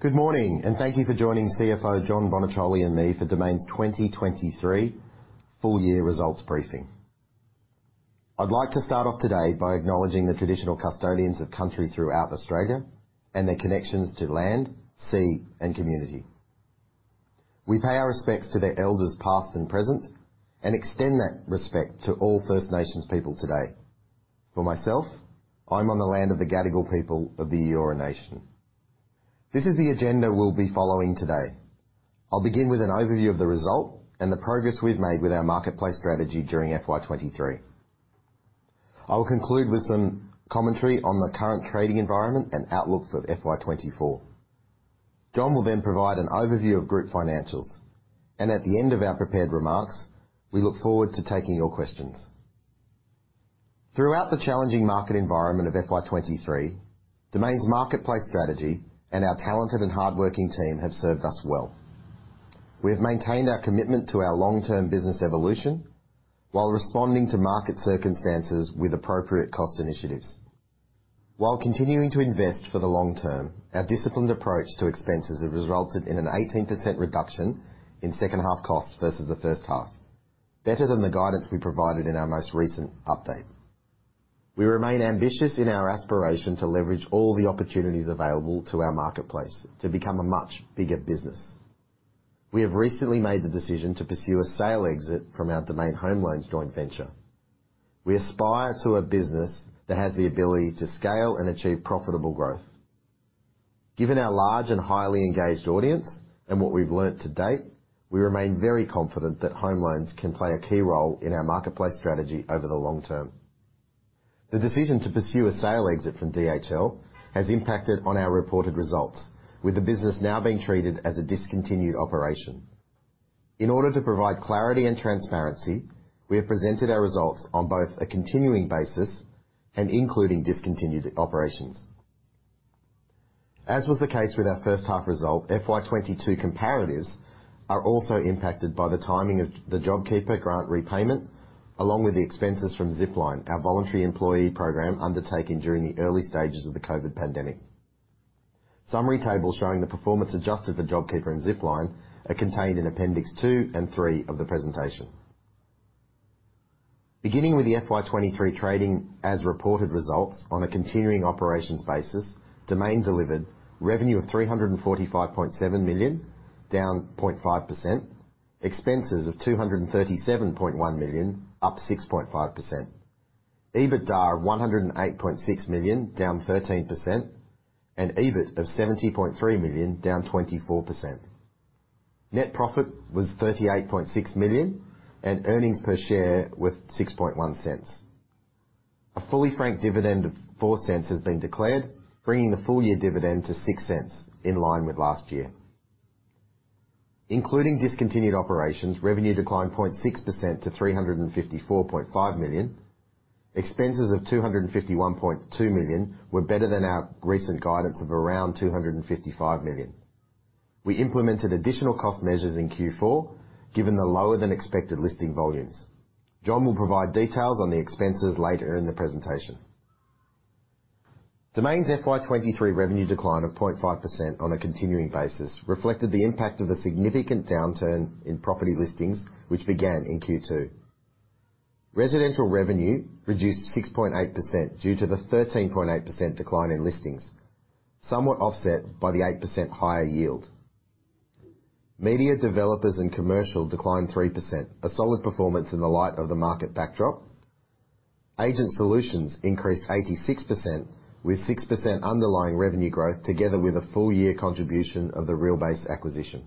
Good morning, thank you for joining CFO John Boniciolli and me for Domain's 2023 full year results briefing. I'd like to start off today by acknowledging the traditional custodians of country throughout Australia and their connections to land, sea, and community. We pay our respects to their elders, past and present, and extend that respect to all First Nations people today. For myself, I'm on the land of the Gadigal people of the Eora Nation. This is the agenda we'll be following today. I'll begin with an overview of the result and the progress we've made with our marketplace strategy during FY 2023. I will conclude with some commentary on the current trading environment and outlook for FY 2024. John will then provide an overview of group financials, and at the end of our prepared remarks, we look forward to taking your questions. Throughout the challenging market environment of FY 2023, Domain's marketplace strategy and our talented and hardworking team have served us well. We have maintained our commitment to our long-term business evolution while responding to market circumstances with appropriate cost initiatives. While continuing to invest for the long term, our disciplined approach to expenses have resulted in an 18% reduction in second half costs versus the first half, better than the guidance we provided in our most recent update. We remain ambitious in our aspiration to leverage all the opportunities available to our marketplace to become a much bigger business. We have recently made the decision to pursue a sale exit from our Domain Home Loans joint venture. We aspire to a business that has the ability to scale and achieve profitable growth. Given our large and highly engaged audience and what we've learned to date, we remain very confident that home loans can play a key role in our marketplace strategy over the long term. The decision to pursue a sale exit from DHL has impacted on our reported results, with the business now being treated as a discontinued operation. In order to provide clarity and transparency, we have presented our results on both a continuing basis and including discontinued operations. As was the case with our first half result, FY 2022 comparatives are also impacted by the timing of the JobKeeper grant repayment, along with the expenses from Zipline, our voluntary employee program undertaken during the early stages of the COVID pandemic. Summary tables showing the performance adjusted for JobKeeper and Zipline are contained in Appendix 2 and 3 of the presentation. Beginning with the FY 2023 trading as reported results on a continuing operations basis, Domain delivered revenue of 345.7 million, down 0.5%. Expenses of 237.1 million, up 6.5%. EBITDA of 108.6 million, down 13%, and EBIT of 70.3 million, down 24%. Net profit was 38.6 million, and earnings per share were 0.061. A fully franked dividend of 0.04 has been declared, bringing the full-year dividend to 0.06, in line with last year. Including discontinued operations, revenue declined 0.6% to 354.5 million. Expenses of 251.2 million were better than our recent guidance of around 255 million. We implemented additional cost measures in Q4, given the lower-than-expected listing volumes. John will provide details on the expenses later in the presentation. Domain's FY 2023 revenue decline of 0.5% on a continuing basis reflected the impact of the significant downturn in property listings, which began in Q2. Residential revenue reduced 6.8% due to the 13.8% decline in listings, somewhat offset by the 8% higher yield. Media, Developers and Commercial declined 3%, a solid performance in the light of the market backdrop. Agent Solutions increased 86%, with 6% underlying revenue growth, together with a full-year contribution of the Realbase acquisition.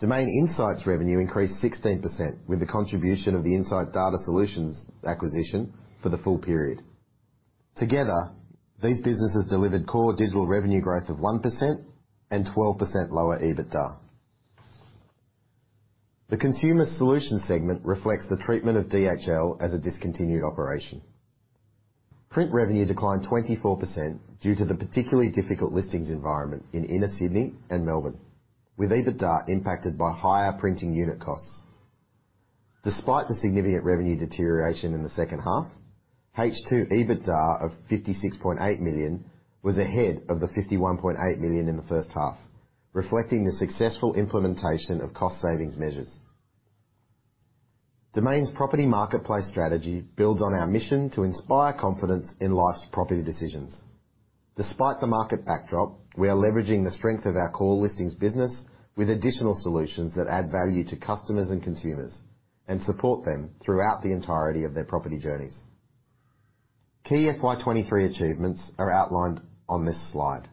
Domain Insight revenue increased 16%, with the contribution of the Insight Data Solutions acquisition for the full period. Together, these businesses delivered core digital revenue growth of 1% and 12% lower EBITDA. The Consumer Solutions segment reflects the treatment of DHL as a discontinued operation. Print revenue declined 24% due to the particularly difficult listings environment in inner Sydney and Melbourne, with EBITDA impacted by higher printing unit costs. Despite the significant revenue deterioration in the H2, H2 EBITDA of 56.8 million was ahead of the 51.8 million in the H1, reflecting the successful implementation of cost savings measures. Domain's property marketplace strategy builds on our mission to inspire confidence in life's property decisions. Despite the market backdrop, we are leveraging the strength of our core listings business with additional solutions that add value to customers and consumers and support them throughout the entirety of their property journeys. Key FY 2023 achievements are outlined on this slide.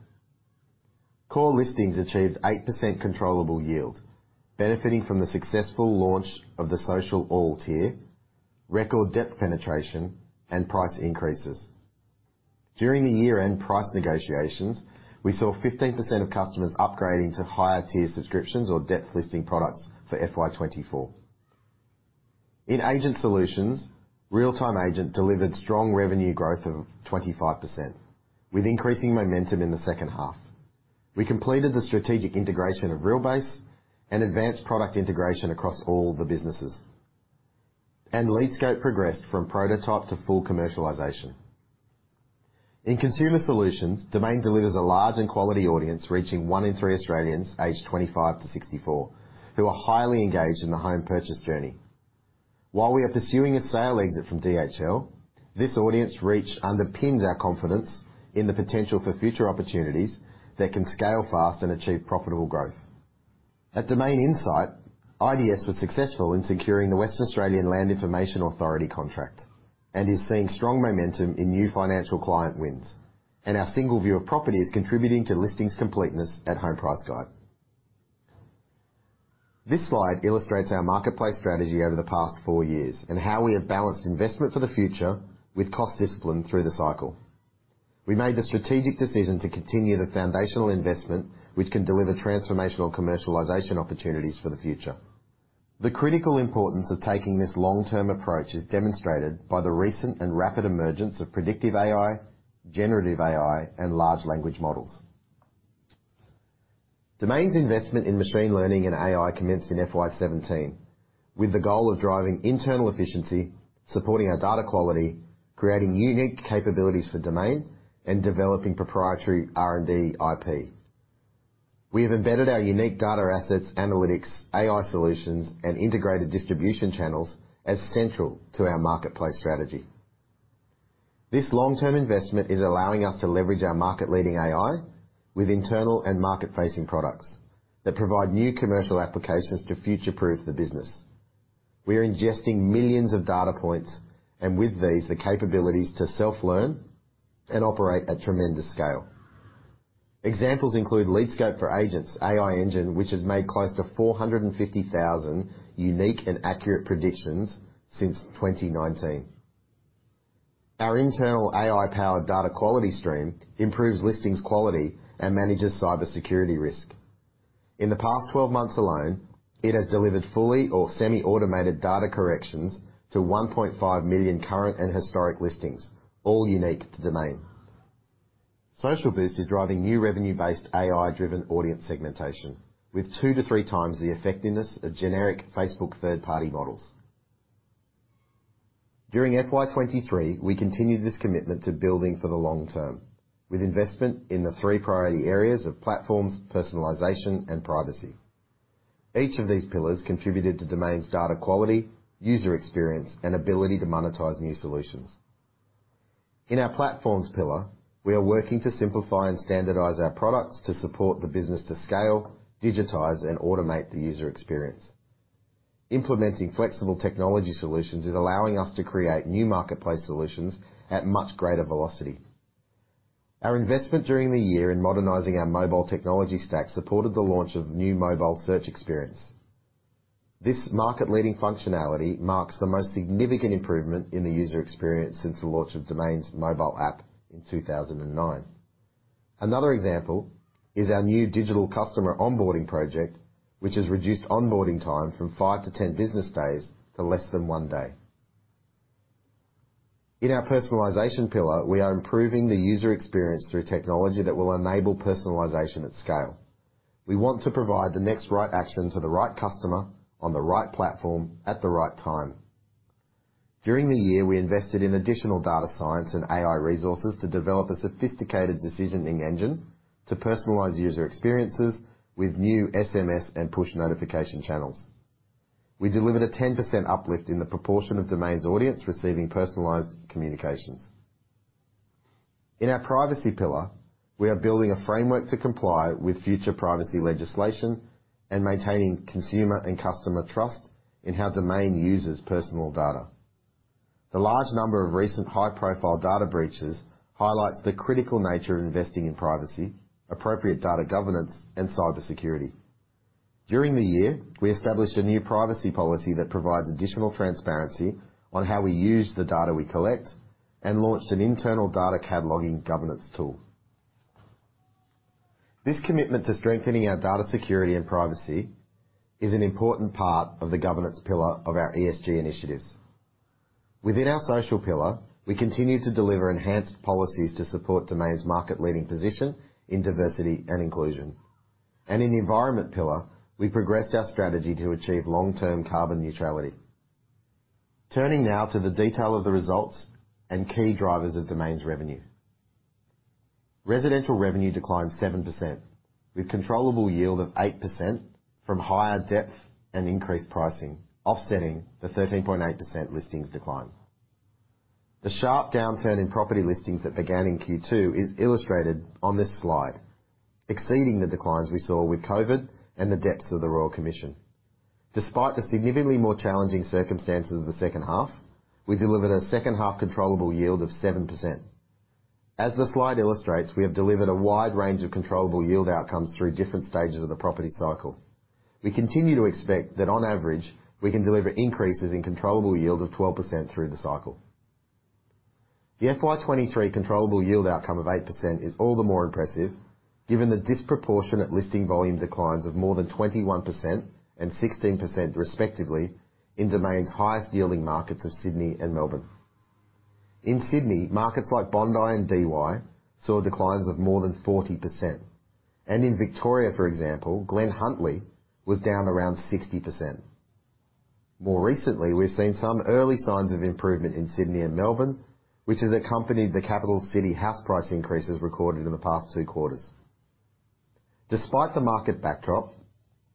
Core listings achieved 8% controllable yield, benefiting from the successful launch of the Social All tier, record depth penetration, and price increases. During the year-end price negotiations, we saw 15% of customers upgrading to higher tier subscriptions or depth listing products for FY 2024. In Agent Solutions, RealTime Agent delivered strong revenue growth of 25%, with increasing momentum in the second half. We completed the strategic integration of Realbase and advanced product integration across all the businesses. LeadScope progressed from prototype to full commercialization. In Consumer Solutions, Domain delivers a large and quality audience, reaching one in three Australians aged 25 to 64, who are highly engaged in the home purchase journey. While we are pursuing a sale exit from DHL, this audience reach underpins our confidence in the potential for future opportunities that can scale fast and achieve profitable growth. At Domain Insight, IDS was successful in securing the Western Australian Land Information Authority contract, and is seeing strong momentum in new financial client wins. Our single view of property is contributing to listings completeness at Home Price Guide. This slide illustrates our marketplace strategy over the past four years, and how we have balanced investment for the future with cost discipline through the cycle. We made the strategic decision to continue the foundational investment, which can deliver transformational commercialization opportunities for the future. The critical importance of taking this long-term approach is demonstrated by the recent and rapid emergence of predictive AI, generative AI, and large language models. Domain's investment in machine learning and AI commenced in FY 2017, with the goal of driving internal efficiency, supporting our data quality, creating unique capabilities for Domain, and developing proprietary R&D IP. We have embedded our unique data assets, analytics, AI solutions, and integrated distribution channels as central to our marketplace strategy. This long-term investment is allowing us to leverage our market-leading AI with internal and market-facing products that provide new commercial applications to future-proof the business. We are ingesting millions of data points, with these, the capabilities to self-learn and operate at tremendous scale. Examples include LeadScope for agents' AI engine, which has made close to 450,000 unique and accurate predictions since 2019. Our internal AI-powered data quality stream improves listings quality and manages cybersecurity risk. In the past 12 months alone, it has delivered fully or semi-automated data corrections to 1.5 million current and historic listings, all unique to Domain. Social Boost is driving new revenue-based, AI-driven audience segmentation, with 2x-3x the effectiveness of generic Facebook third-party models. During FY 2023, we continued this commitment to building for the long term, with investment in the three priority areas of platforms, personalization, and privacy. Each of these pillars contributed to Domain's data quality, user experience, and ability to monetize new solutions. In our platforms pillar, we are working to simplify and standardize our products to support the business to scale, digitize, and automate the user experience. Implementing flexible technology solutions is allowing us to create new marketplace solutions at much greater velocity. Our investment during the year in modernizing our mobile technology stack supported the launch of new mobile search experience. This market-leading functionality marks the most significant improvement in the user experience since the launch of Domain's mobile app in 2009. Another example is our new digital customer onboarding project, which has reduced onboarding time from five to 10 business days to less than one day. In our personalization pillar, we are improving the user experience through technology that will enable personalization at scale. We want to provide the next right action to the right customer, on the right platform, at the right time. During the year, we invested in additional data science and AI resources to develop a sophisticated decisioning engine, to personalize user experiences with new SMS and push notification channels. We delivered a 10% uplift in the proportion of Domain's audience receiving personalized communications. In our privacy pillar, we are building a framework to comply with future privacy legislation and maintaining consumer and customer trust in how Domain uses personal data. The large number of recent high-profile data breaches highlights the critical nature of investing in privacy, appropriate data governance, and cybersecurity. During the year, we established a new privacy policy that provides additional transparency on how we use the data we collect and launched an internal data cataloging governance tool. This commitment to strengthening our data security and privacy is an important part of the governance pillar of our ESG initiatives. Within our social pillar, we continue to deliver enhanced policies to support Domain's market-leading position in diversity and inclusion. In the environment pillar, we progressed our strategy to achieve long-term carbon neutrality. Turning now to the detail of the results and key drivers of Domain's revenue. Residential revenue declined 7%, with controllable yield of 8% from higher depth and increased pricing, offsetting the 13.8% listings decline. The sharp downturn in property listings that began in Q2 is illustrated on this slide, exceeding the declines we saw with COVID and the depths of the Royal Commission. Despite the significantly more challenging circumstances of the second half, we delivered a second half controllable yield of 7%. As the slide illustrates, we have delivered a wide range of controllable yield outcomes through different stages of the property cycle. We continue to expect that on average, we can deliver increases in controllable yield of 12% through the cycle. The FY 2023 controllable yield outcome of 8% is all the more impressive, given the disproportionate listing volume declines of more than 21% and 16% respectively in Domain's highest-yielding markets of Sydney and Melbourne. In Sydney, markets like Bondi and Dee Why saw declines of more than 40%, and in Victoria, for example, Glen Huntly was down around 60%. More recently, we've seen some early signs of improvement in Sydney and Melbourne, which has accompanied the capital city house price increases recorded in the past two quarters. Despite the market backdrop,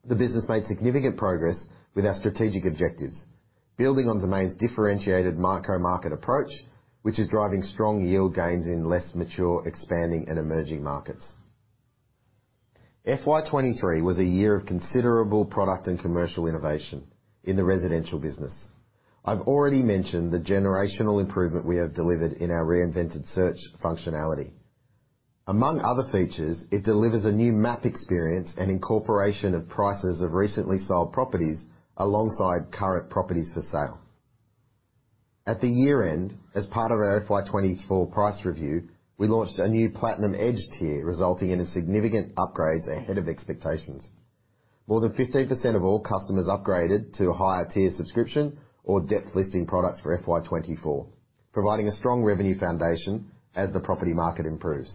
the business made significant progress with our strategic objectives, building on Domain's differentiated micro-market approach, which is driving strong yield gains in less mature, expanding, and emerging markets. FY 2023 was a year of considerable product and commercial innovation in the residential business. I've already mentioned the generational improvement we have delivered in our reinvented search functionality. Among other features, it delivers a new map experience and incorporation of prices of recently sold properties alongside current properties for sale. At the year-end, as part of our FY 2024 price review, we launched a new Platinum Edge tier, resulting in significant upgrades ahead of expectations. More than 15% of all customers upgraded to a higher tier subscription or depth listing products for FY 2024, providing a strong revenue foundation as the property market improves.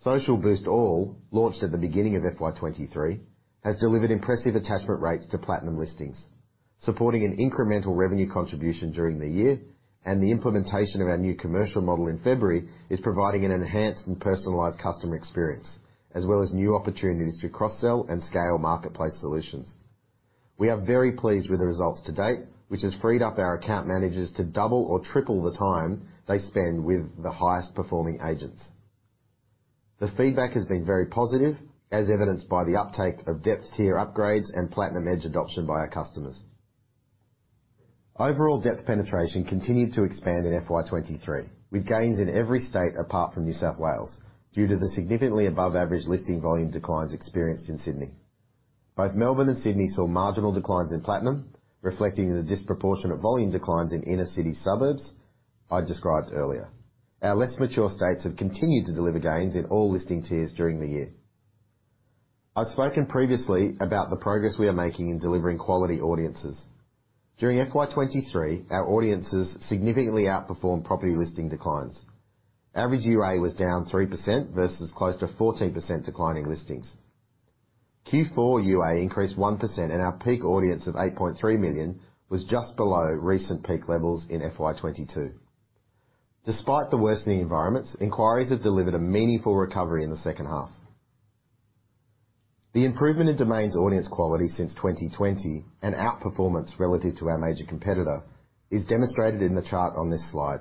Social Boost All, launched at the beginning of FY 2023, has delivered impressive attachment rates to Platinum listings, supporting an incremental revenue contribution during the year. The implementation of our new commercial model in February is providing an enhanced and personalized customer experience, as well as new opportunities to cross-sell and scale marketplace solutions. We are very pleased with the results to date, which has freed up our account managers to double or triple the time they spend with the highest performing agents. The feedback has been very positive, as evidenced by the uptake of depth tier upgrades and Platinum Edge adoption by our customers. Overall, depth penetration continued to expand in FY 2023, with gains in every state apart from New South Wales, due to the significantly above average listing volume declines experienced in Sydney. Both Melbourne and Sydney saw marginal declines in Platinum, reflecting the disproportionate volume declines in inner-city suburbs I described earlier. Our less mature states have continued to deliver gains in all listing tiers during the year. I've spoken previously about the progress we are making in delivering quality audiences. During FY 2023, our audiences significantly outperformed property listing declines. Average UA was down 3% versus close to 14% declining listings. Q4 UA increased 1%, and our peak audience of 8.3 million was just below recent peak levels in FY 2022. Despite the worsening environments, inquiries have delivered a meaningful recovery in the second half. The improvement in Domain's audience quality since 2020, and outperformance relative to our major competitor, is demonstrated in the chart on this slide.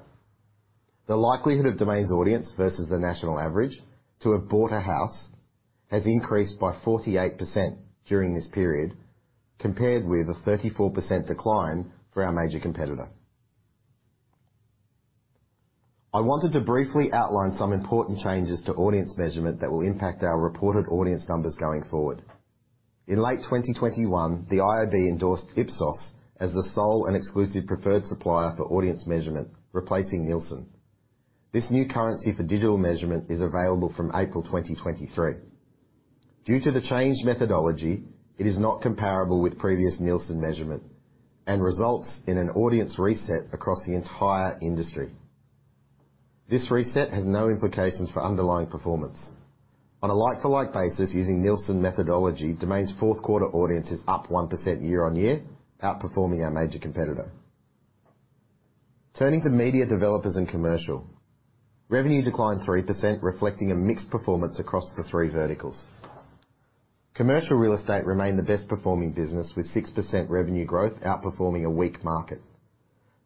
The likelihood of Domain's audience, versus the national average, to have bought a house has increased by 48% during this period, compared with a 34% decline for our major competitor. I wanted to briefly outline some important changes to audience measurement that will impact our reported audience numbers going forward. In late 2021, the IAB endorsed Ipsos as the sole and exclusive preferred supplier for audience measurement, replacing Nielsen. This new currency for digital measurement is available from April 2023. Due to the changed methodology, it is not comparable with previous Nielsen measurement and results in an audience reset across the entire industry. This reset has no implications for underlying performance. On a like-for-like basis, using Nielsen methodology, Domain's fourth quarter audience is up 1% year-on-year, outperforming our major competitor. Turning to media developers and commercial, revenue declined 3%, reflecting a mixed performance across the three verticals. Commercial real estate remained the best performing business, with 6% revenue growth outperforming a weak market.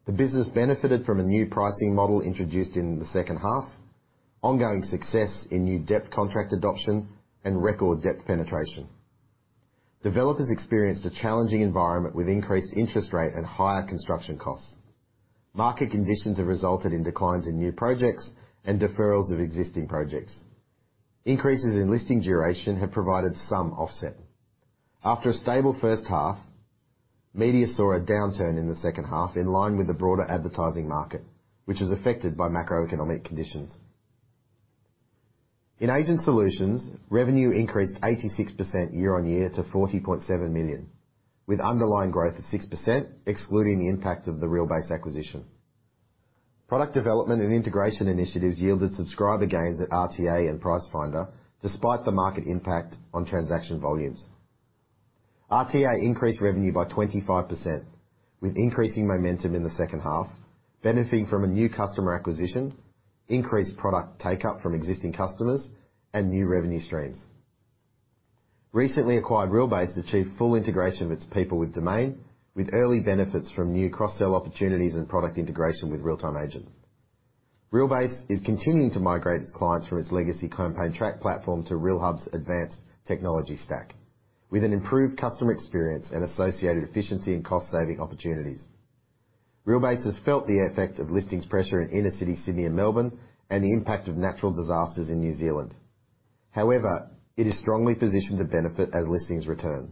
The business benefited from a new pricing model introduced in the second half, ongoing success in new depth contract adoption, and record depth penetration. Developers experienced a challenging environment with increased interest rate and higher construction costs. Market conditions have resulted in declines in new projects and deferrals of existing projects. Increases in listing duration have provided some offset. After a stable first half, media saw a downturn in the second half, in line with the broader advertising market, which was affected by macroeconomic conditions. In Agent Solutions, revenue increased 86% year-on-year to 40.7 million, with underlying growth of 6%, excluding the impact of the Realbase acquisition. Product development and integration initiatives yielded subscriber gains at RTA and Pricefinder, despite the market impact on transaction volumes. RTA increased revenue by 25%, with increasing momentum in the second half, benefiting from a new customer acquisition, increased product take-up from existing customers, and new revenue streams. Recently acquired Realbase achieved full integration of its people with Domain, with early benefits from new cross-sell opportunities and product integration with RealTime Agent. Realbase is continuing to migrate its clients from its legacy Campaigntrack platform to Realhub's advanced technology stack, with an improved customer experience and associated efficiency and cost-saving opportunities. Realbase has felt the effect of listings pressure in inner-city Sydney and Melbourne and the impact of natural disasters in New Zealand. However, it is strongly positioned to benefit as listings return,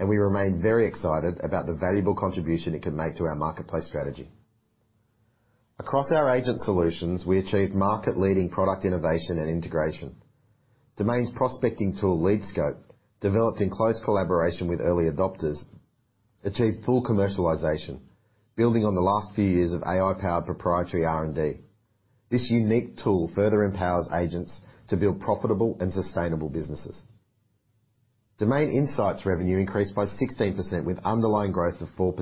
and we remain very excited about the valuable contribution it can make to our marketplace strategy. Across our Agent Solutions, we achieved market-leading product innovation and integration. Domain's prospecting tool, LeadScope, developed in close collaboration with early adopters, achieved full commercialization, building on the last few years of AI-powered proprietary R&D. This unique tool further empowers agents to build profitable and sustainable businesses. Domain Insight revenue increased by 16%, with underlying growth of 4%,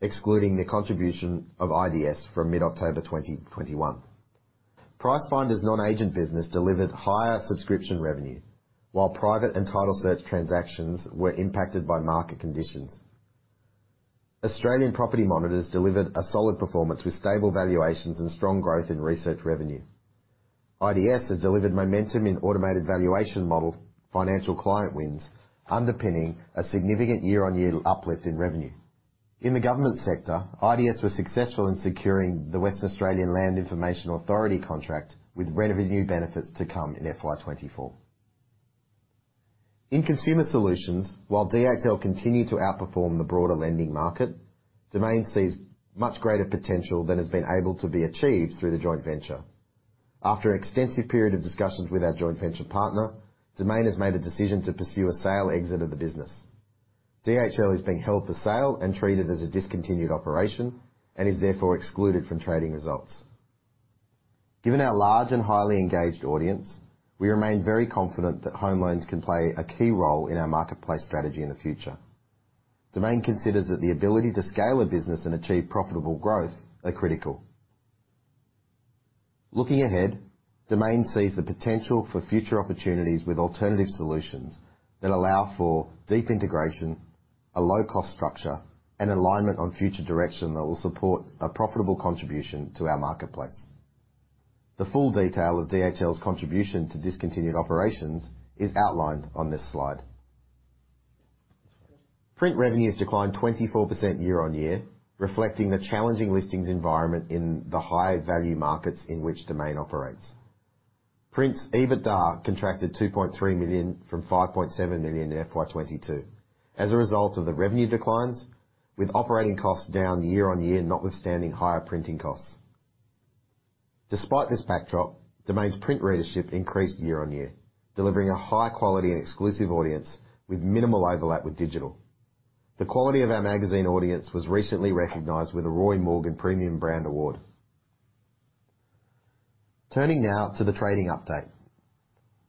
excluding the contribution of IDS from mid-October 2021. Pricefinder's non-agent business delivered higher subscription revenue, while private and title search transactions were impacted by market conditions. Australian Property Monitors delivered a solid performance with stable valuations and strong growth in research revenue. IDS has delivered momentum in Automated Valuation Model, financial client wins, underpinning a significant year-on-year uplift in revenue. In the government sector, IDS was successful in securing the Western Australian Land Information Authority contract, with revenue benefits to come in FY 2024. In Consumer Solutions, while DHL continued to outperform the broader lending market, Domain sees much greater potential than has been able to be achieved through the joint venture. After an extensive period of discussions with our joint venture partner, Domain has made a decision to pursue a sale exit of the business. DHL is being held for sale and treated as a discontinued operation and is therefore excluded from trading results. Given our large and highly engaged audience, we remain very confident that home loans can play a key role in our marketplace strategy in the future. Domain considers that the ability to scale a business and achieve profitable growth are critical. Looking ahead, Domain sees the potential for future opportunities with alternative solutions that allow for deep integration, a low cost structure, and alignment on future direction that will support a profitable contribution to our marketplace. The full detail of DHL's contribution to discontinued operations is outlined on this slide. Print revenues declined 24% year-on-year, reflecting the challenging listings environment in the high-value markets in which Domain operates. Print's EBITDA contracted 2.3 million from 5.7 million in FY 2022 as a result of the revenue declines, with operating costs down year-on-year, notwithstanding higher printing costs. Despite this backdrop, Domain's print readership increased year-on-year, delivering a high quality and exclusive audience with minimal overlap with digital. The quality of our magazine audience was recently recognized with a Roy Morgan Trusted Brand Award. Turning now to the trading update.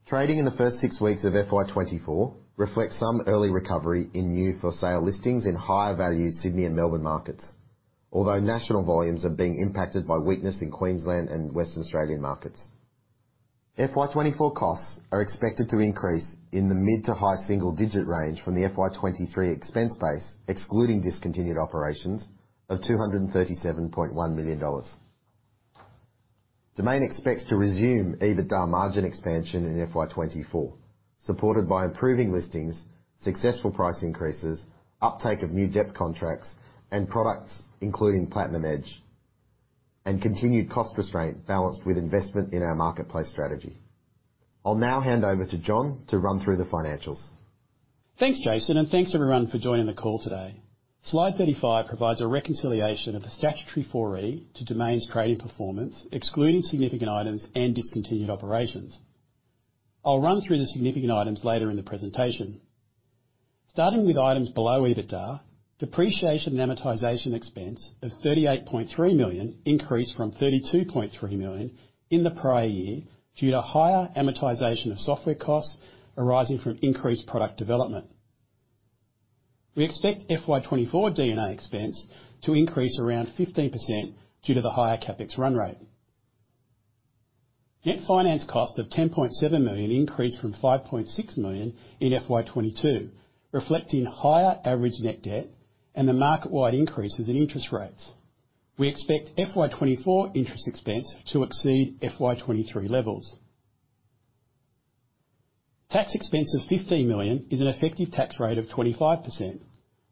Trading in the first six weeks of FY 2024 reflects some early recovery in new for sale listings in higher value Sydney and Melbourne markets, although national volumes are being impacted by weakness in Queensland and West Australian markets. FY 2024 costs are expected to increase in the mid to high-single-digit range from the FY 2023 expense base, excluding discontinued operations of 237.1 million dollars. Domain expects to resume EBITDA margin expansion in FY 2024, supported by improving listings, successful price increases, uptake of new depth contracts, and products including Platinum Edge, and continued cost restraint balanced with investment in our marketplace strategy. I'll now hand over to John to run through the financials. Thanks, Jason. Thanks everyone for joining the call today. Slide 35 provides a reconciliation of the statutory 4E to Domain's trading performance, excluding significant items and discontinued operations. I'll run through the significant items later in the presentation. Starting with items below EBITDA, depreciation and amortization expense of 38.3 million increased from 32.3 million in the prior year due to higher amortization of software costs arising from increased product development. We expect FY 2024 D&A expense to increase around 15% due to the higher CapEx run rate. Net finance cost of 10.7 million increased from 5.6 million in FY 2022, reflecting higher average net debt and the market-wide increases in interest rates. We expect FY 2024 interest expense to exceed FY 2023 levels. Tax expense of 15 million is an effective tax rate of 25%.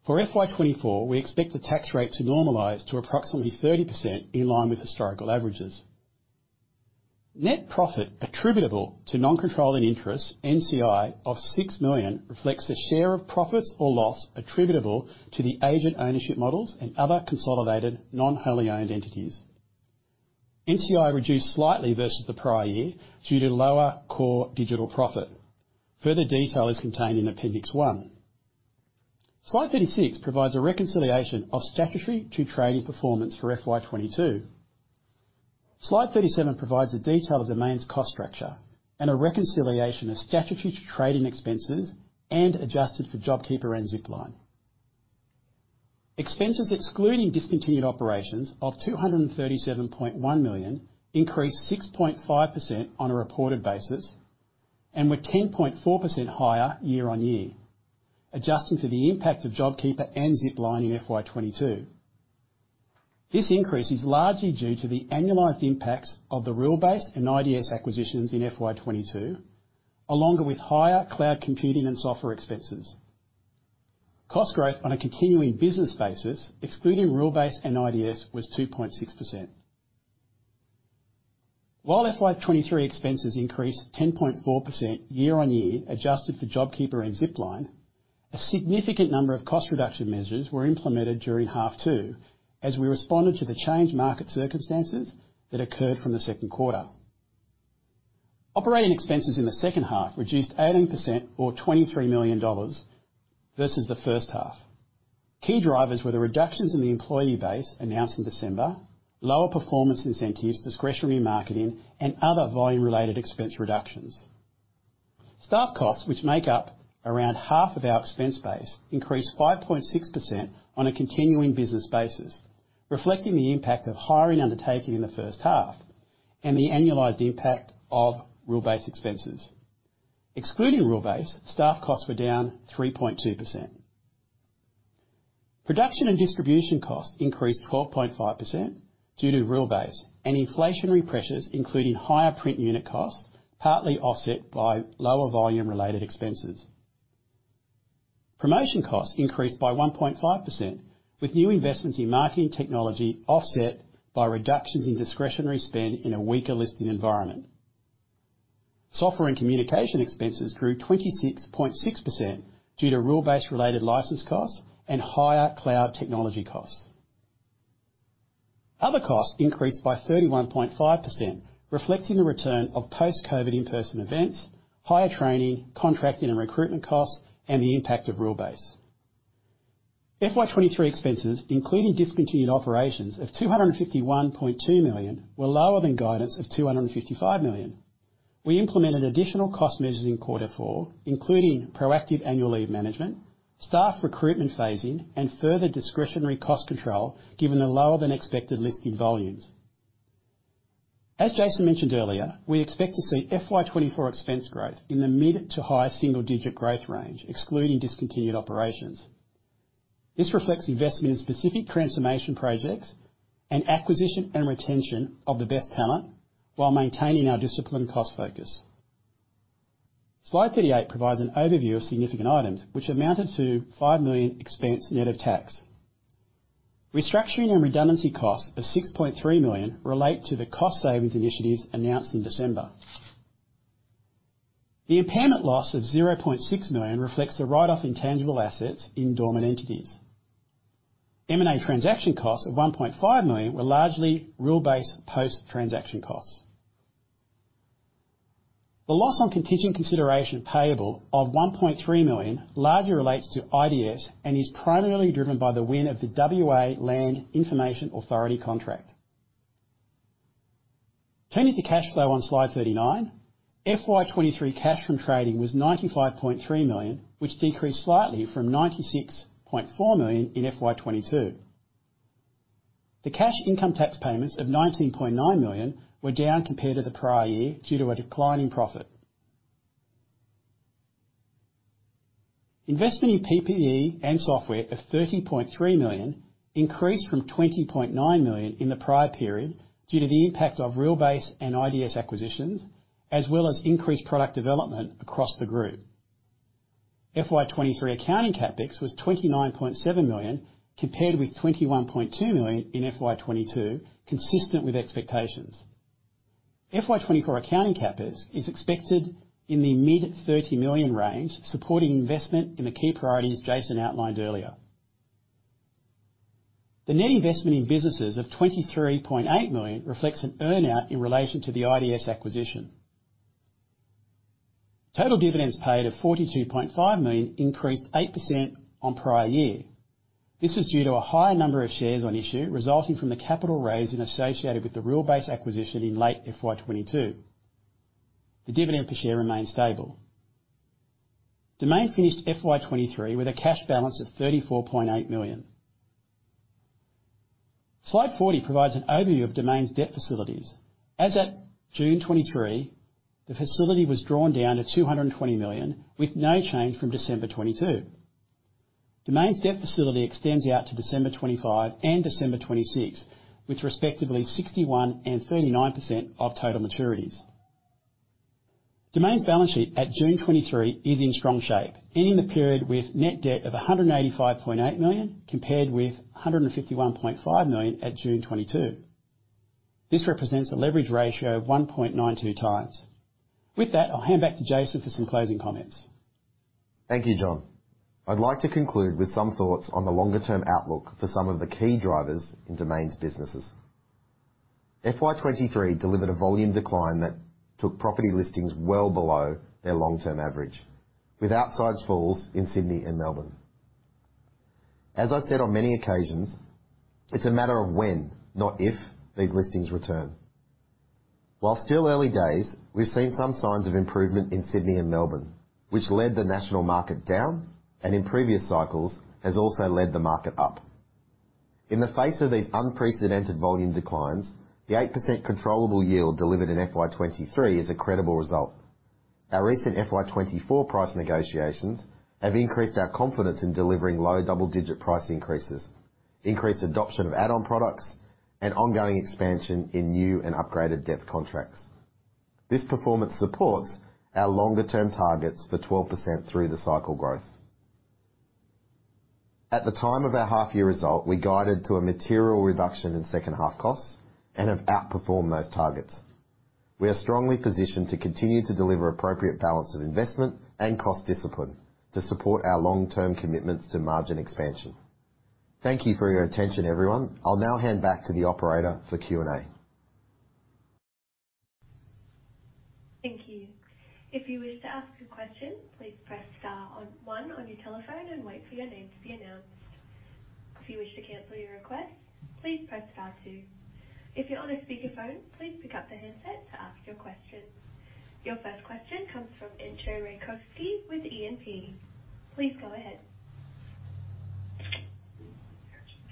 For FY 2024, we expect the tax rate to normalize to approximately 30%, in line with historical averages. Net profit attributable to non-controlling interests, NCI, of 6 million reflects the share of profits or loss attributable to the agent ownership models and other consolidated, non-wholly owned entities. NCI reduced slightly versus the prior year due to lower core digital profit. Further detail is contained in Appendix 1. Slide 36 provides a reconciliation of statutory to trading performance for FY 2022. Slide 37 provides a detail of Domain's cost structure and a reconciliation of statutory trading expenses and adjusted for JobKeeper and Zipline. Expenses excluding discontinued operations of 237.1 million increased 6.5% on a reported basis, and were 10.4% higher year-on-year, adjusting to the impact of JobKeeper and Zipline in FY 2022. This increase is largely due to the annualized impacts of the Realbase and IDS acquisitions in FY 2022, along with higher cloud computing and software expenses. Cost growth on a continuing business basis, excluding Realbase and IDS, was 2.6%. While FY 2023 expenses increased 10.4% year-on-year, adjusted for JobKeeper and Zipline. A significant number of cost reduction measures were implemented during half two, as we responded to the changed market circumstances that occurred from the second quarter. Operating expenses in the second half reduced 18% or 23 million dollars versus the first half. Key drivers were the reductions in the employee base announced in December, lower performance incentives, discretionary marketing, and other volume-related expense reductions. Staff costs, which make up around half of our expense base, increased 5.6% on a continuing business basis, reflecting the impact of hiring undertaking in the first half and the annualized impact of Realbase expenses. Excluding Realbase, staff costs were down 3.2%. Production and distribution costs increased 12.5% due to Realbase and inflationary pressures, including higher print unit costs, partly offset by lower volume-related expenses. Promotion costs increased by 1.5%, with new investments in marketing technology offset by reductions in discretionary spend in a weaker listing environment. Software and communication expenses grew 26.6% due to Realbase-related license costs and higher cloud technology costs. Other costs increased by 31.5%, reflecting the return of post-COVID in-person events, higher training, contracting and recruitment costs, and the impact of Realbase. FY 2023 expenses, including discontinued operations of 251.2 million, were lower than guidance of 255 million. We implemented additional cost measures in Q4, including proactive annual leave management, staff recruitment phasing, and further discretionary cost control, given the lower-than-expected listing volumes. As Jason mentioned earlier, we expect to see FY 2024 expense growth in the mid to high single-digit growth range, excluding discontinued operations. This reflects investment in specific transformation projects and acquisition and retention of the best talent, while maintaining our disciplined cost focus. Slide 38 provides an overview of significant items, which amounted to 5 million expense net of tax. Restructuring and redundancy costs of 6.3 million relate to the cost savings initiatives announced in December. The impairment loss of 0.6 million reflects the write-off intangible assets in dormant entities. M&A transaction costs of 1.5 million were largely Realbase post-transaction costs. The loss on contingent consideration payable of 1.3 million largely relates to IDS and is primarily driven by the win of the WA Land Information Authority contract. Turning to cash flow on slide 39, FY 2023 cash from trading was 95.3 million, which decreased slightly from 96.4 million in FY 2022. The cash income tax payments of 19.9 million were down compared to the prior year due to a decline in profit. Investment in PPE and software of 30.3 million increased from 20.9 million in the prior period due to the impact of Realbase and IDS acquisitions, as well as increased product development across the group. FY 2023 accounting CapEx was 29.7 million, compared with 21.2 million in FY 2022, consistent with expectations. FY 2024 accounting CapEx is expected in the mid-AUD 30 million range, supporting investment in the key priorities Jason outlined earlier. The net investment in businesses of 23.8 million reflects an earn-out in relation to the IDS acquisition. Total dividends paid of 42.5 million increased 8% on prior year. This was due to a higher number of shares on issue resulting from the capital raise and associated with the Realbase acquisition in late FY 2022. The dividend per share remains stable. Domain finished FY 2023 with a cash balance of 34.8 million. Slide 40 provides an overview of Domain's debt facilities. As at June 2023, the facility was drawn down to 220 million, with no change from December 2022. Domain's debt facility extends out to December 25 and December 26, with respectively 61% and 39% of total maturities. Domain's balance sheet at June 23 is in strong shape, ending the period with net debt of 185.8 million, compared with 151.5 million at June 22. This represents a leverage ratio of 1.92x. With that, I'll hand back to Jason for some closing comments. Thank you, John. I'd like to conclude with some thoughts on the longer-term outlook for some of the key drivers in Domain's businesses. FY 2023 delivered a volume decline that took property listings well below their long-term average, with outsized falls in Sydney and Melbourne. As I've said on many occasions, it's a matter of when, not if, these listings return. While still early days, we've seen some signs of improvement in Sydney and Melbourne, which led the national market down, and in previous cycles, has also led the market up. In the face of these unprecedented volume declines, the 8% controllable yield delivered in FY 2023 is a credible result. Our recent FY 2024 price negotiations have increased our confidence in delivering low double-digit price increases, increased adoption of add-on products, and ongoing expansion in new and upgraded debt contracts. This performance supports our longer-term targets for 12% through the cycle growth. At the time of our half-year result, we guided to a material reduction in second half costs and have outperformed those targets. We are strongly positioned to continue to deliver appropriate balance of investment and cost discipline to support our long-term commitments to margin expansion. Thank you for your attention, everyone. I'll now hand back to the operator for Q&A. Thank you. If you wish to ask a question, please press star on one on your telephone and wait for your name to be announced. If you wish to cancel your request, please press star two. If you're on a speakerphone, please pick up the handset to ask your question. Your first question comes from Entcho Raykovski with E&P. Please go ahead.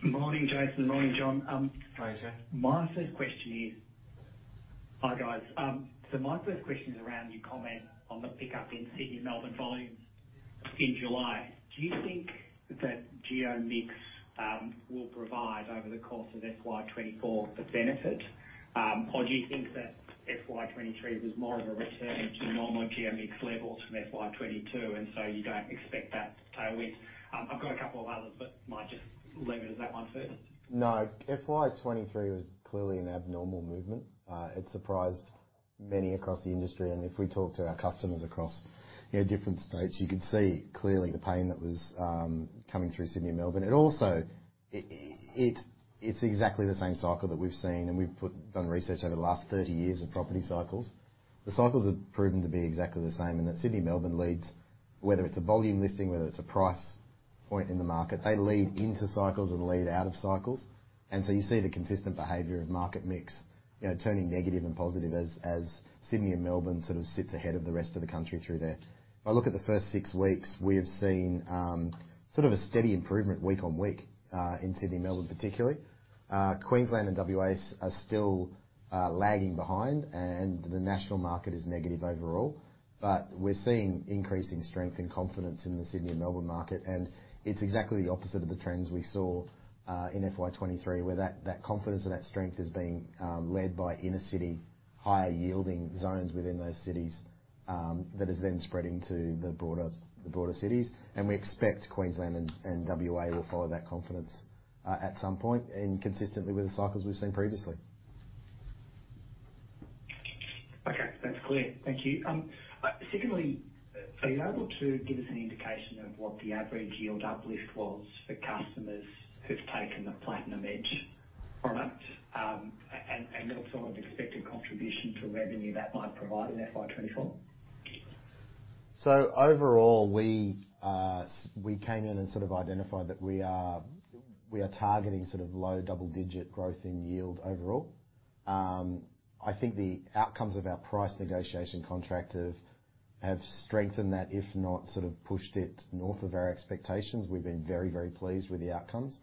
Morning, Jason. Morning, John. Hi, Entcho. Hi, guys. My first question is around your comment on the pickup in Sydney and Melbourne volumes in July. Do you think that geo mix will provide over the course of FY 2024 a benefit? Or do you think that FY 2023 was more of a return to normal geo mix levels from FY 2022, and so you don't expect that tailwind? I've got a couple of others, but might just leave it as that one first. No, FY 2023 was clearly an abnormal movement. It surprised many across the industry, and if we talk to our customers across, you know, different states, you could see clearly the pain that was coming through Sydney and Melbourne. It also, it, it's exactly the same cycle that we've seen, and we've done research over the last 30 years of property cycles. The cycles have proven to be exactly the same, in that Sydney and Melbourne leads, whether it's a volume listing, whether it's a price point in the market, they lead into cycles and lead out of cycles. You see the consistent behavior of market mix, you know, turning negative and positive as, as Sydney and Melbourne sort of sits ahead of the rest of the country through there. If I look at the first six weeks, we have seen, sort of a steady improvement week on week, in Sydney and Melbourne, particularly. Queensland and WA are still lagging behind, and the national market is negative overall. We're seeing increasing strength and confidence in the Sydney and Melbourne market, and it's exactly the opposite of the trends we saw in FY 2023, where that, that confidence and that strength is being led by inner-city, higher-yielding zones within those cities, that is then spreading to the broader, the broader cities. We expect Queensland and WA will follow that confidence at some point, and consistently with the cycles we've seen previously. Okay, that's clear. Thank you. Secondly, are you able to give us an indication of what the average yield uplift was for customers who've taken the Platinum Edge product, and, and also the expected contribution to revenue that might provide in FY 2024? Overall, we came in and identified that we are targeting low-double-digit growth in yield overall. I think the outcomes of our price negotiation contract have strengthened that, if not, pushed it north of our expectations. We've been very, very pleased with the outcomes.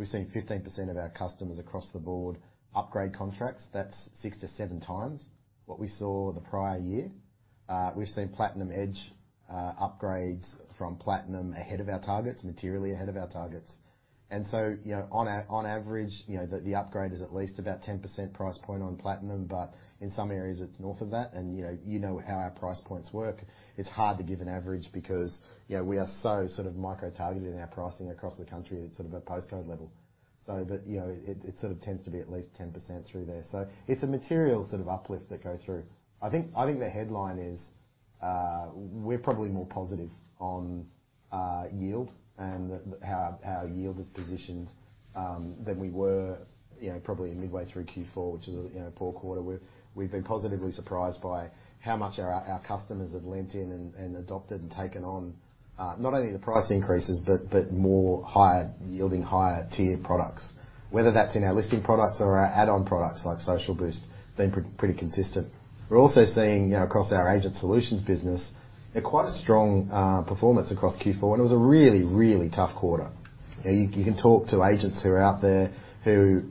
We've seen 15% of our customers across the board upgrade contracts. That's 6x-7x what we saw the prior year. We've seen Platinum Edge upgrades from Platinum ahead of our targets, materially ahead of our targets. You know, on average, you know, the upgrade is at least about 10% price point on Platinum, but in some areas, it's north of that. You know, you know how our price points work. It's hard to give an average because, you know, we are so sort of micro-targeted in our pricing across the country at sort of a postcode level. But, you know, it, it sort of tends to be at least 10% through there. It's a material sort of uplift that goes through. I think, I think the headline is, we're probably more positive on yield and that how our yield is positioned than we were, you know, probably midway through Q4, which is a, you know, poor quarter. We've been positively surprised by how much our, our customers have leaned in and, and adopted and taken on not only the price increases, but, but more higher-yielding, higher-tier products. Whether that's in our listing products or our add-on products, like Social Boost, been pretty consistent. We're also seeing, you know, across our Agent Solutions business, a quite a strong performance across Q4. It was a really, really tough quarter. You, you can talk to agents who are out there who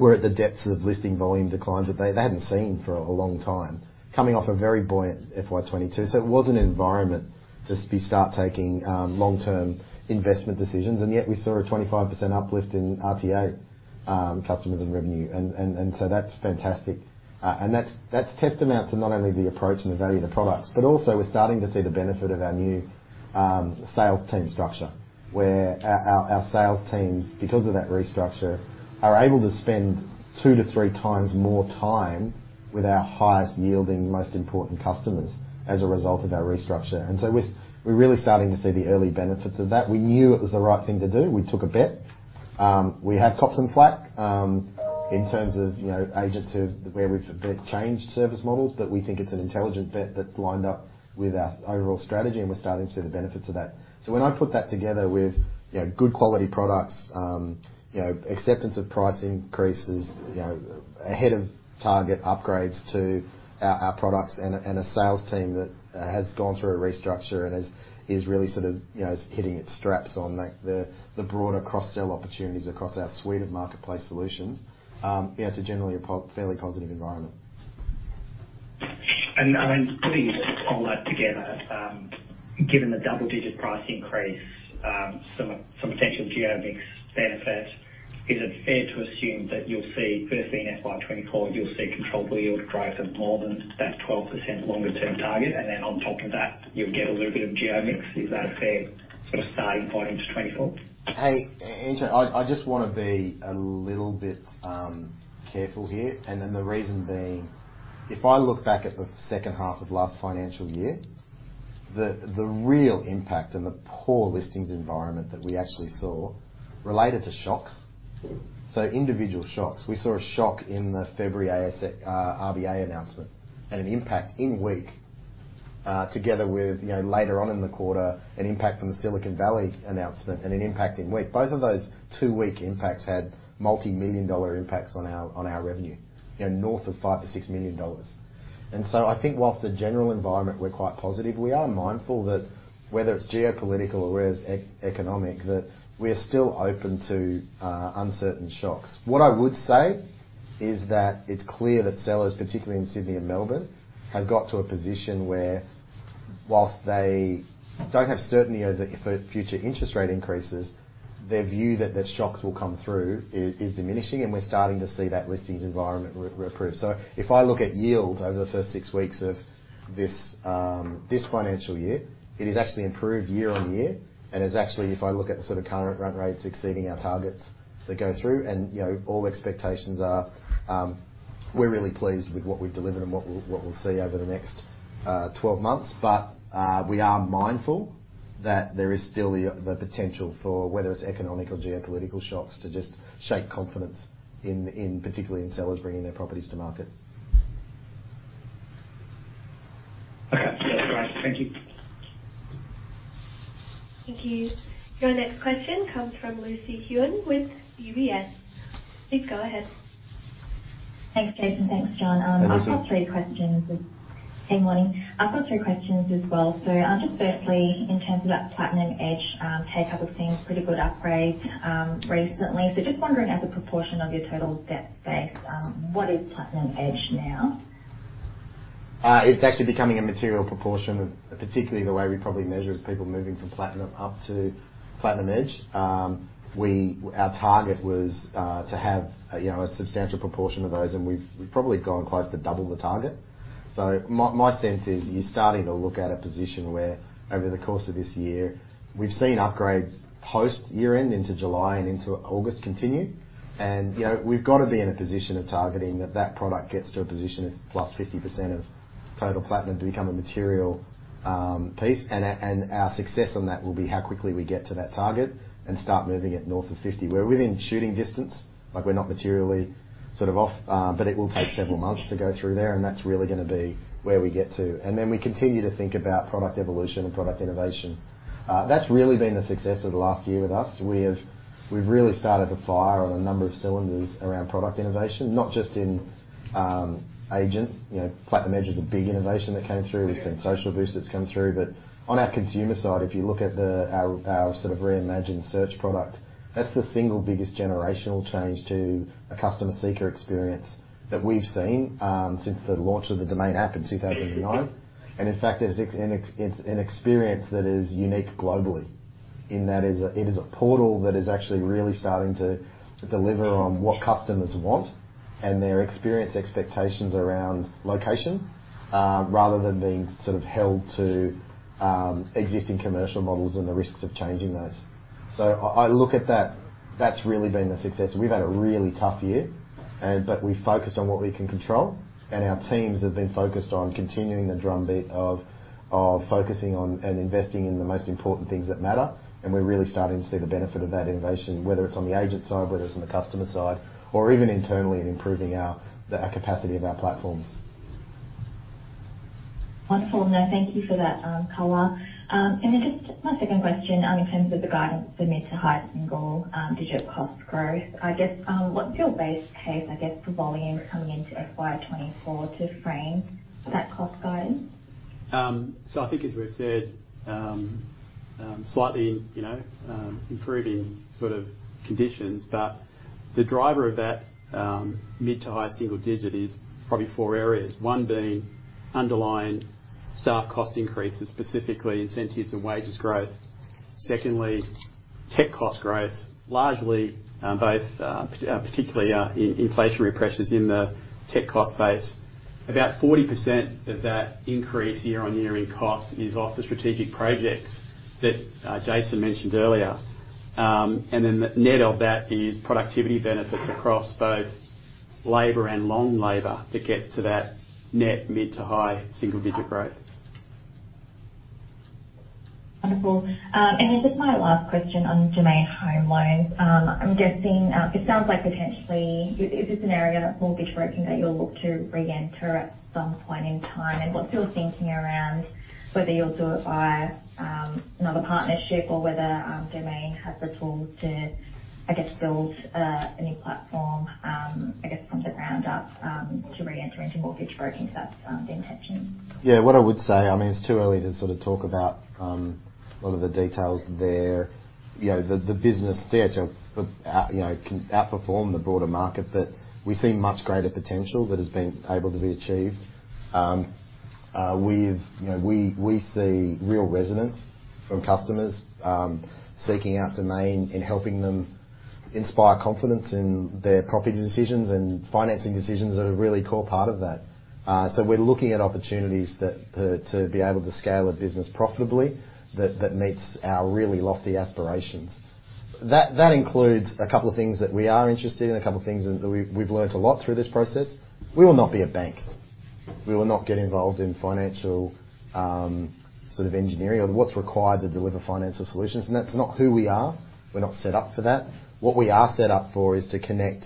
were at the depths of listing volume declines that they hadn't seen for a long time, coming off a very buoyant FY 2022. It wasn't an environment to start taking long-term investment decisions, and yet we saw a 25% uplift in RTA customers and revenue. So that's fantastic. That's, that's a testament to not only the approach and the value of the products, but also we're starting to see the benefit of our new sales team structure, where our, our, our sales teams, because of that restructure, are able to spend two to three times more time with our highest-yielding, most important customers as a result of our restructure. We're, we're really starting to see the early benefits of that. We knew it was the right thing to do. We took a bet. We have copped some flak in terms of, you know, agents who, where we've then changed service models, we think it's an intelligent bet that's lined up with our overall strategy, we're starting to see the benefits of that. When I put that together with, you know, good quality products, you know, acceptance of price increases, you know, ahead of target upgrades to our, our products, and a, and a sales team that has gone through a restructure and is, is really sort of, you know, hitting its straps on the, the, the broader cross-sell opportunities across our suite of marketplace solutions, yeah, it's a generally a fairly positive environment. I mean, putting all that together, given the double-digit price increase, some, some potential geo mix benefit. Is it fair to assume that you'll see, firstly, in FY 2024, you'll see controlled yield growth of more than that 12% longer-term target, and then on top of that, you'll get a little bit of geo mix? Is that a fair sort of starting point to 2024? Hey, Entcho, I, I just wanna be a little bit careful here. The reason being, if I look back at the second half of last financial year, the, the real impact and the poor listings environment that we actually saw related to shocks. So individual shocks. We saw a shock in the February RBA announcement and an impact in week, together with, you know, later on in the quarter, an impact from the Silicon Valley announcement and an impact in week. Both of those two-week impacts had multimillion-dollar impacts on our, on our revenue, you know, north of 5 million-6 million dollars. I think whilst the general environment, we're quite positive, we are mindful that whether it's geopolitical or whether it's economic, that we are still open to uncertain shocks. What I would say is that it's clear that sellers, particularly in Sydney and Melbourne, have got to a position where whilst they don't have certainty over the future interest rate increases, their view that the shocks will come through is diminishing, and we're starting to see that listings environment re-improve. If I look at yields over the first six weeks of this financial year, it is actually improved year-on-year and is actually, if I look at the sort of current run rates, exceeding our targets that go through. You know, all expectations are, we're really pleased with what we've delivered and what we'll see over the next 12 months. We are mindful that there is still the, the potential for, whether it's economic or geopolitical shocks, to just shake confidence in, in particularly in sellers bringing their properties to market. Okay. Yeah, great. Thank you. Thank you. Your next question comes from Lucy Huang with UBS. Please go ahead. Thanks, Jason. Thanks, John. Hey, Lucy. I've got three questions with, hey, morning. I've got three questions as well. Just firstly, in terms of that Platinum Edge take-up, we've seen pretty good upgrades recently. Just wondering, as a proportion of your total debt base, what is Platinum Edge now? It's actually becoming a material proportion, of particularly the way we probably measure is people moving from Platinum up to Platinum Edge. Our target was, to have, you know, a substantial proportion of those, and we've, we've probably gone close to double the target. My, my sense is you're starting to look at a position where over the course of this year, we've seen upgrades post year-end into July and into August continue, and, you know, we've got to be in a position of targeting that, that product gets to a position of +50% of total Platinum to become a material piece. Our, and our success on that will be how quickly we get to that target and start moving it north of 50. We're within shooting distance, like we're not materially sort of off, but it will take several months to go through there, and that's really gonna be where we get to. Then we continue to think about product evolution and product innovation. That's really been the success of the last year with us. We have, we've really started a fire on a number of cylinders around product innovation, not just in, agent. You know, Platinum Edge is a big innovation that came through. Yeah. We've seen Social Boosts that's come through, but on our consumer side, if you look at the, our, our sort of reimagined search product, that's the single biggest generational change to a customer seeker experience that we've seen, since the launch of the Domain app in 2009. In fact, it's an experience that is unique globally. In that is a, it is a portal that is actually really starting to, to deliver on what customers want and their experience expectations around location, rather than being sort of held to, existing commercial models and the risks of changing those. I, I look at that, that's really been the success. We've had a really tough year, but we've focused on what we can control, and our teams have been focused on continuing the drumbeat of, of focusing on and investing in the most important things that matter. We're really starting to see the benefit of that innovation, whether it's on the agent side, whether it's on the customer side, or even internally in improving our capacity of our platforms. Wonderful. No, thank you for that, color. Then just my second question, in terms of the guidance for mid to high-single-digit cost growth, I guess, what is your base case, I guess, for volumes coming into FY 2024 to frame that cost guidance? I think as we've said, slightly, you know, improving sort of conditions, but the driver of that mid to high single-digit is probably four areas. One being underlying staff cost increases, specifically incentives and wages growth. Secondly, tech cost growth, largely, both, particularly, in inflationary pressures in the tech cost base. About 40% of that increase year-on-year in cost is off the strategic projects that Jason mentioned earlier. And then the net of that is productivity benefits across both labor and long labor that gets to that net mid to high single-digit growth. Wonderful. And then just my last question on Domain Home Loans. I'm guessing, it sounds like potentially is this an area that mortgage broking that you'll look to reenter at some point in time? What's your thinking around whether you'll do it via another partnership or whether Domain has the tools to, I guess, build a new platform, I guess, from the ground up, to reenter into mortgage broking, if that's the intention? What I would say, I mean, it's too early to sort of talk about a lot of the details there. You know, the business did, you know, can outperform the broader market, but we see much greater potential that is being able to be achieved. We've, you know, we, we see real resonance from customers seeking out Domain and helping them inspire confidence in their property decisions, and financing decisions are a really core part of that. We're looking at opportunities that, to be able to scale a business profitably, that, that meets our really lofty aspirations. That, that includes a couple of things that we are interested in, a couple of things that we've learned a lot through this process. We will not be a bank. We will not get involved in financial, sort of engineering or what's required to deliver financial solutions. That's not who we are. We're not set up for that. What we are set up for is to connect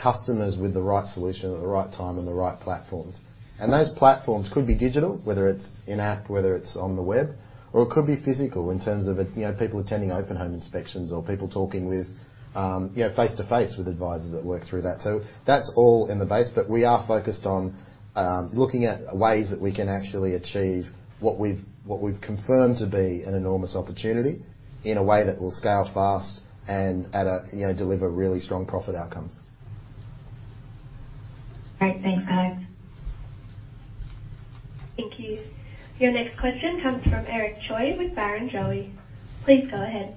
customers with the right solution at the right time and the right platforms. Those platforms could be digital, whether it's in-app, whether it's on the web, or it could be physical in terms of, you know, people attending open home inspections or people talking with, you know, face-to-face with advisors that work through that. That's all in the base, but we are focused on, looking at ways that we can actually achieve what we've, what we've confirmed to be an enormous opportunity in a way that will scale fast and at a, you know, deliver really strong profit outcomes. Great. Thanks, guys. Thank you. Your next question comes from Eric Choi with Barrenjoey. Please go ahead.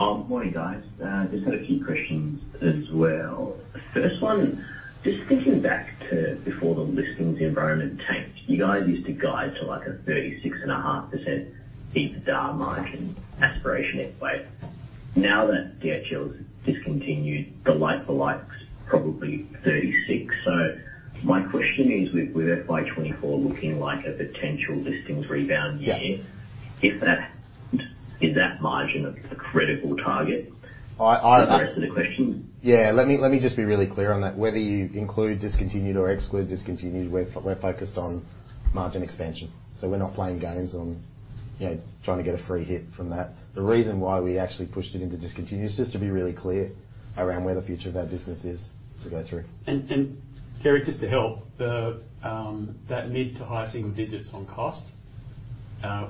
Morning, guys. Just had a few questions as well. First one, just thinking back to before the listings environment tanked, you guys used to guide to a 36.5% EBITDA margin aspiration anyway. Now that DHL has discontinued the like for likes, probably 36%. My question is, with, with FY 2024 looking like a potential listings rebound year- Yeah. if that, is that margin a critical target? I, I- The rest of the question. Yeah, let me, let me just be really clear on that. Whether you include discontinued or exclude discontinued, we're, we're focused on margin expansion, so we're not playing games on, you know, trying to get a free hit from that. The reason why we actually pushed it into discontinued is just to be really clear around where the future of our business is to go through. Eric, just to help, the that mid to high single digits on cost,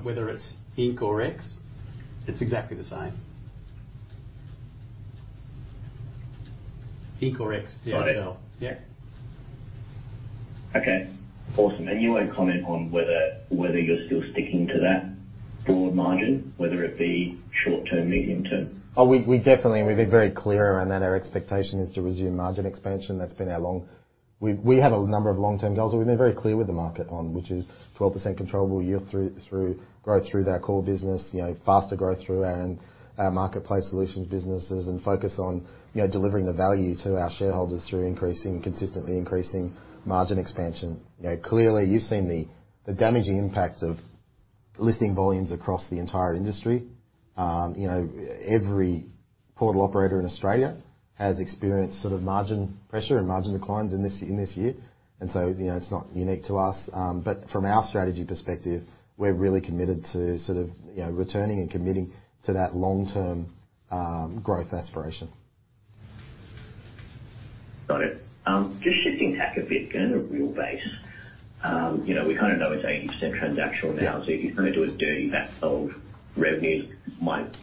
whether it's inc or ex, it's exactly the same. Inc or ex DHL. Got it. Yeah. Okay, awesome. You won't comment on whether, whether you're still sticking to that broad margin, whether it be short term, medium term? We, we definitely, and we've been very clear around that. Our expectation is to resume margin expansion. That's been our long, we, we have a number of long-term goals, and we've been very clear with the market on, which is 12% controllable year through, through, growth through our core business, you know, faster growth through our, our Marketplace Solutions businesses and focus on, you know, delivering the value to our shareholders through increasing, consistently increasing margin expansion. You know, clearly, you've seen the, the damaging impacts of listing volumes across the entire industry. You know, every portal operator in Australia has experienced sort of margin pressure and margin declines in this, in this year. So, you know, it's not unique to us, but from our strategy perspective, we're really committed to sort of, you know, returning and committing to that long-term, growth aspiration. Got it. Just shifting tack a bit, going to Realbase. You know, we kind of know it's 80% transactional now. Yeah. If you kind of do a dirty back of revenues, might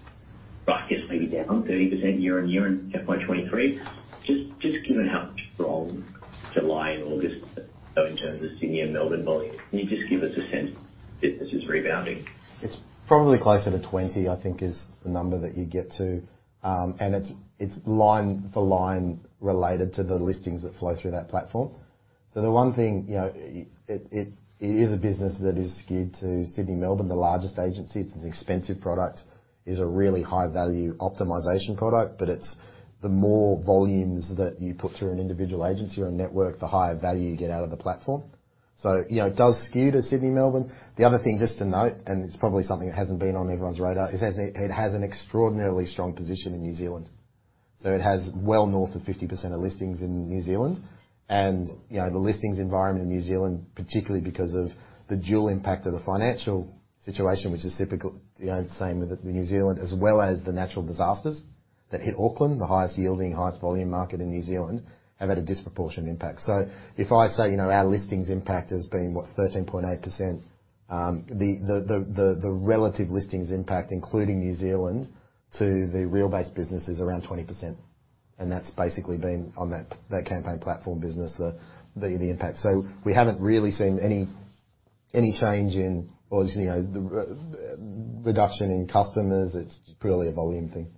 rough guess, maybe down 30% year-over-year in FY 2023. Just given how strong July and August, so in terms of Sydney and Melbourne volume, can you just give us a sense business is rebounding? It's probably closer to 20%, I think is the number that you get to. It's, it's line for line related to the listings that flow through that platform. The one thing, you know, it, it, it is a business that is skewed to Sydney, Melbourne, the largest agency. It's an expensive product. It's a really high-value optimization product, but it's the more volumes that you put through an individual agency or a network, the higher value you get out of the platform. You know, it does skew to Sydney, Melbourne. The other thing, just to note, and it's probably something that hasn't been on everyone's radar, is it has, it has an extraordinarily strong position in New Zealand. It has well north of 50% of listings in New Zealand. The listings environment in New Zealand, particularly because of the dual impact of the financial situation, which is typical, you know, the same with New Zealand, as well as the natural disasters that hit Auckland, the highest yielding, highest volume market in New Zealand, have had a disproportionate impact. If I say, you know, our listings impact has been, what, 13.8%, the relative listings impact, including New Zealand to the Realbase business, is around 20%, and that's basically been on that, that campaign platform business, the impact. We haven't really seen any, any change in or, you know, the reduction in customers. It's purely a volume thing.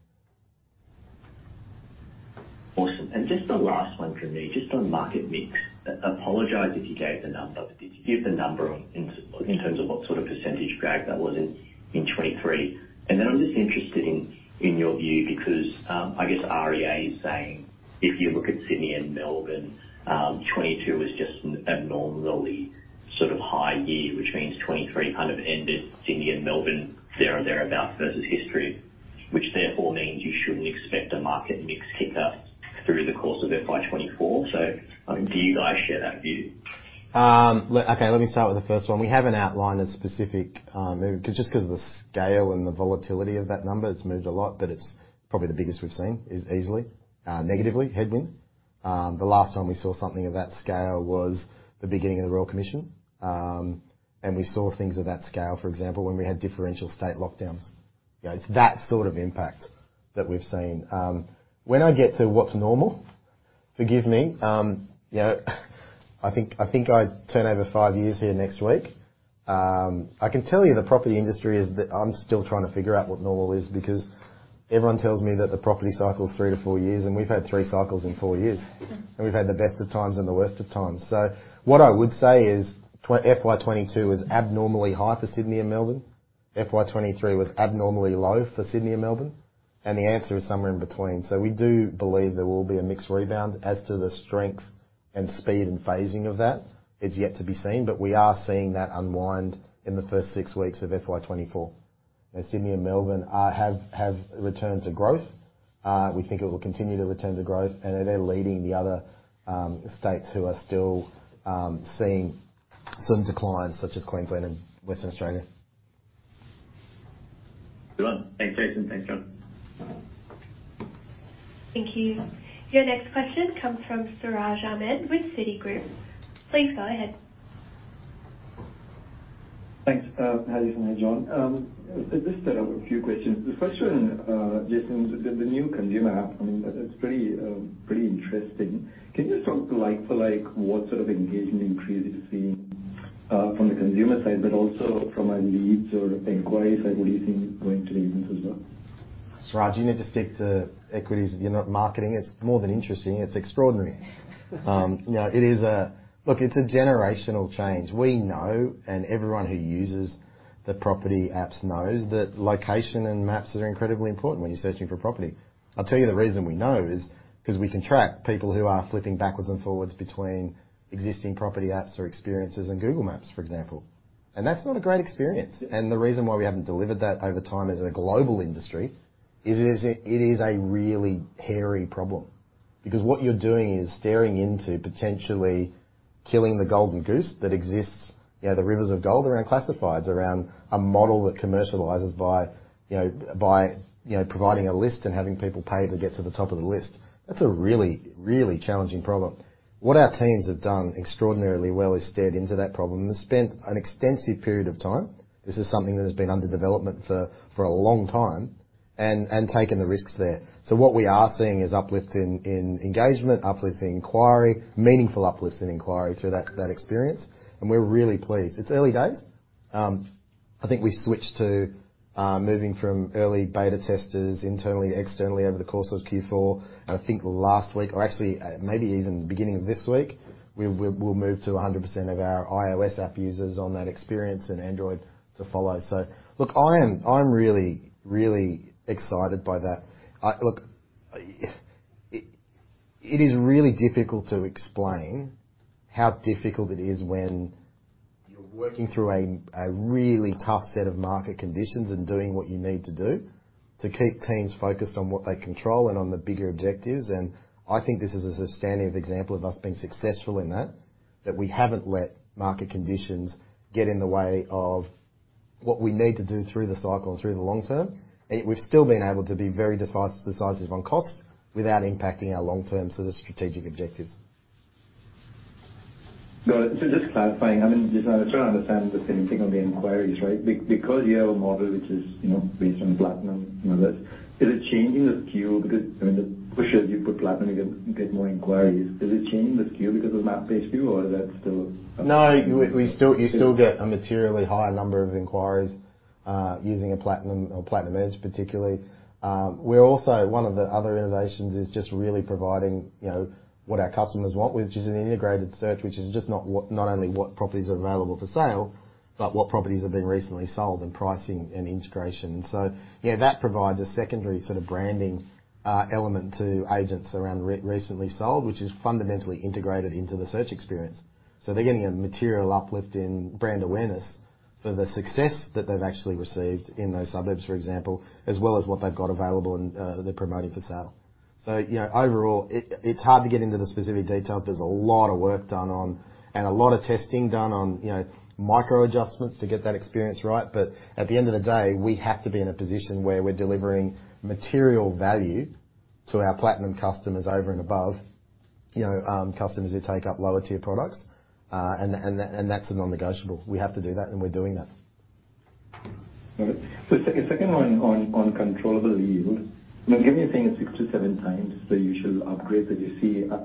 Awesome. Just the last one from me, just on market mix. Apologize if you gave the number, but did you give the number in, in terms of what sort of percentag drag that was in, in 2023? Then I'm just interested in, in your view, because I guess REA is saying if you look at Sydney and Melbourne, 2022 was just an abnormally sort of high year, which means 2023 kind of ended Sydney and Melbourne, there and there about versus history, which therefore means you shouldn't expect a market mix kicker through the course of FY 2024. I mean, do you guys share that view? Okay, let me start with the first one. We haven't outlined a specific move, 'cause just 'cause of the scale and the volatility of that number, it's moved a lot, but it's probably the biggest we've seen, is easily, negatively, headwind. The last time we saw something of that scale was the beginning of the Royal Commission. We saw things of that scale, for example, when we had differential state lockdowns. You know, it's that sort of impact that we've seen. When I get to what's normal, forgive me, you know, I think, I think I turn over five years here next week. I can tell you, the property industry is, I'm still trying to figure out what normal is, because everyone tells me that the property cycle is three to four years, and we've had three cycles in four years. We've had the best of times and the worst of times. What I would say is, FY 2022 was abnormally high for Sydney and Melbourne. FY 2023 was abnormally low for Sydney and Melbourne, and the answer is somewhere in between. We do believe there will be a mixed rebound. As to the strength and speed and phasing of that, it's yet to be seen, but we are seeing that unwind in the first six weeks of FY 2024. Sydney and Melbourne, have returned to growth. We think it will continue to return to growth, and they're leading the other states who are still seeing some declines, such as Queensland and Western Australia. Good. Thanks, Jason. Thanks, John. Thank you. Your next question comes from Siraj Ahmed with Citigroup. Please go ahead. Thanks. How are you today, John? Just a few questions. The first one, Jason, the new consumer app, I mean, that is pretty, pretty interesting. Can you just talk to what sort of engagement increase you're seeing from the consumer side, but also from a leads or inquiries side, what do you think going to the events as well? Siraj, you need to stick to equities. You're not marketing. It's more than interesting, it's extraordinary. you know, Look, it's a generational change. We know, and everyone who uses the property apps knows, that location and maps are incredibly important when you're searching for property. I'll tell you, the reason we know is, 'cause we can track people who are flipping backwards and forwards between existing property apps or experiences and Google Maps, for example. That's not a great experience. Yes. The reason why we haven't delivered that over time as a global industry, is it, it is a really hairy problem, because what you're doing is staring into potentially killing the golden goose that exists. You know, the rivers of gold around classifieds, around a model that commercializes by, you know, by, you know, providing a list and having people pay to get to the top of the list. That's a really, really challenging problem. What our teams have done extraordinarily well is stared into that problem and spent an extensive period of time, this is something that has been under development for, for a long time, and, and taken the risks there. What we are seeing is uplift in, in engagement, uplift in inquiry, meaningful uplifts in inquiry through that, that experience, and we're really pleased. It's early days. I think we switched to moving from early beta testers internally, externally over the course of Q4. I think last week, or actually, maybe even beginning of this week, we, we, we'll move to 100% of our iOS app users on that experience, and Android to follow. Look, I am, I'm really, really excited by that. Look, it, it is really difficult to explain how difficult it is when you're working through a, a really tough set of market conditions and doing what you need to do to keep teams focused on what they control and on the bigger objectives, and I think this is a substantive example of us being successful in that. That we haven't let market conditions get in the way of what we need to do through the cycle and through the long term. We've still been able to be very decisive, decisive on cost, without impacting our long-term sort of strategic objectives. Got it. Just clarifying, I mean, just I, I'm trying to understand the same thing on the inquiries, right? because you have a model which is, you know, based on Platinum and all that, is it changing the skew, because, I mean, the pushes you put Platinum to get, get more inquiries, is it changing the skew because of map-based view, or is that still? No, we, we still, you still get a materially higher number of inquiries, using a Platinum or Platinum Edge, particularly. We're also, one of the other innovations is just really providing, you know, what our customers want, which is an integrated search, which is just not only what properties are available for sale, but what properties have been recently sold and pricing and integration. Yeah, that provides a secondary sort of branding, element to agents around recently sold, which is fundamentally integrated into the search experience. They're getting a material uplift in brand awareness for the success that they've actually received in those suburbs, for example, as well as what they've got available and, they're promoting for sale. You know, overall, it, it's hard to get into the specific details. There's a lot of work done on, and a lot of testing done on, you know, micro adjustments to get that experience right. At the end of the day, we have to be in a position where we're delivering material value to our Platinum customers over and above, you know, customers who take up lower tier products. That, and that's a non-negotiable. We have to do that, and we're doing that. All right. Second one on controllable yield. Given you're saying it's six to seven times, you should upgrade, you see, I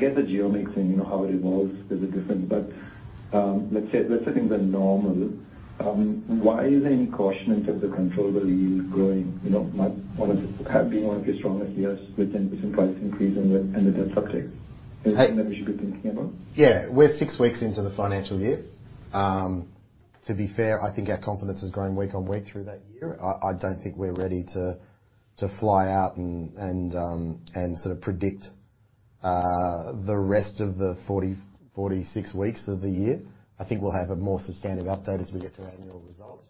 get the geo-mixing, you know, how it evolves, there's a difference. Let's say things are normal, why is there any caution in terms of controllable yield growing? You know, have been one of your strongest years within price increase and the subjects. Hey- That we should be thinking about? Yeah, we're six weeks into the financial year. To be fair, I think our confidence is growing week on week through that year. I, I don't think we're ready to, to fly out and, and, and sort of predict, the rest of the 40-46 weeks of the year. I think we'll have a more substantive update as we get to our annual results.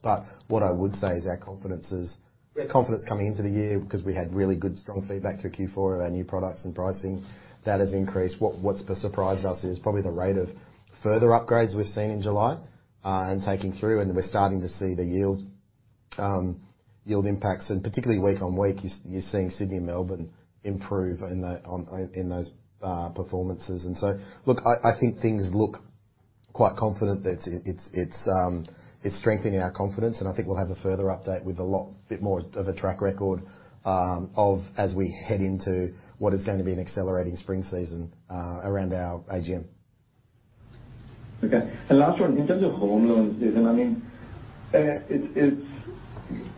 What I would say is, our confidence is, we had confidence coming into the year, because we had really good, strong feedback through Q4 of our new products and pricing. That has increased. What, what's surprised us is probably the rate of further upgrades we've seen in July, and taking through, and we're starting to see the yield, yield impacts, and particularly week on week, you're, you're seeing Sydney and Melbourne improve in the, on, in, in those, performances. Look, I, I think things look quite confident that it, it's, it's, it's strengthening our confidence, and I think we'll have a further update with a lot bit more of a track record, of as we head into what is going to be an accelerating spring season, around our AGM. Okay. Last one, in terms of home loans, Jason, I mean, it's, it's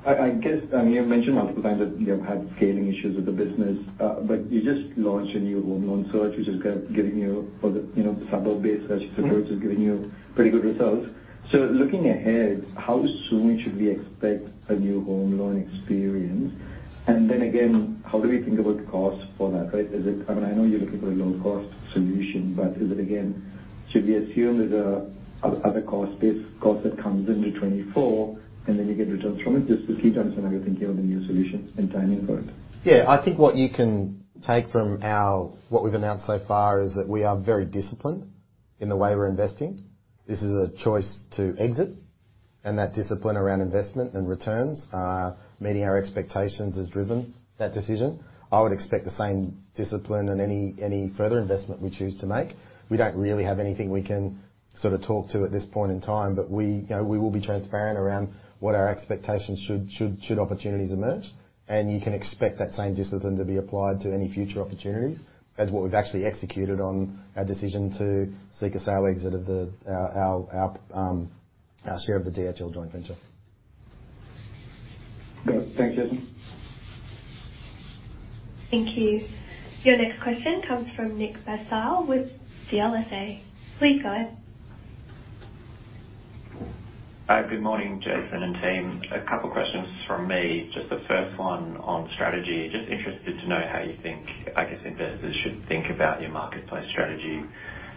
I, I guess, I mean, you mentioned multiple times that you have had scaling issues with the business, but you just launched a new home loan search, which is kind of giving you for the, you know, suburb-based search approach- Mm-hmm.... is giving you pretty good results. Looking ahead, how soon should we expect a new home loan experience? Then again, how do we think about the cost for that, right? I mean, I know you're looking for a low-cost solution, but is it again, should we assume there's a other cost base cost that comes in in 2024, and then you get returns from it? Just to key down some how you're thinking of the new solution and timing for it. Yeah, I think what you can take from our, what we've announced so far is that we are very disciplined in the way we're investing. This is a choice to exit, and that discipline around investment and returns, meeting our expectations has driven that decision. I would expect the same discipline in any, any further investment we choose to make. We don't really have anything we can sort of talk to at this point in time, but we, you know, we will be transparent around what our expectations should, should, should opportunities emerge, and you can expect that same discipline to be applied to any future opportunities as what we've actually executed on our decision to seek a sale exit of the, our, our, our share of the DHL joint venture. Good. Thanks, Jason. Thank you. Your next question comes from Nick Bassil with CLSA. Please go ahead. Hi, good morning, Jason and team. A couple questions from me. Just the first one on strategy. Just interested to know how you think, I guess, investors should think about your marketplace strategy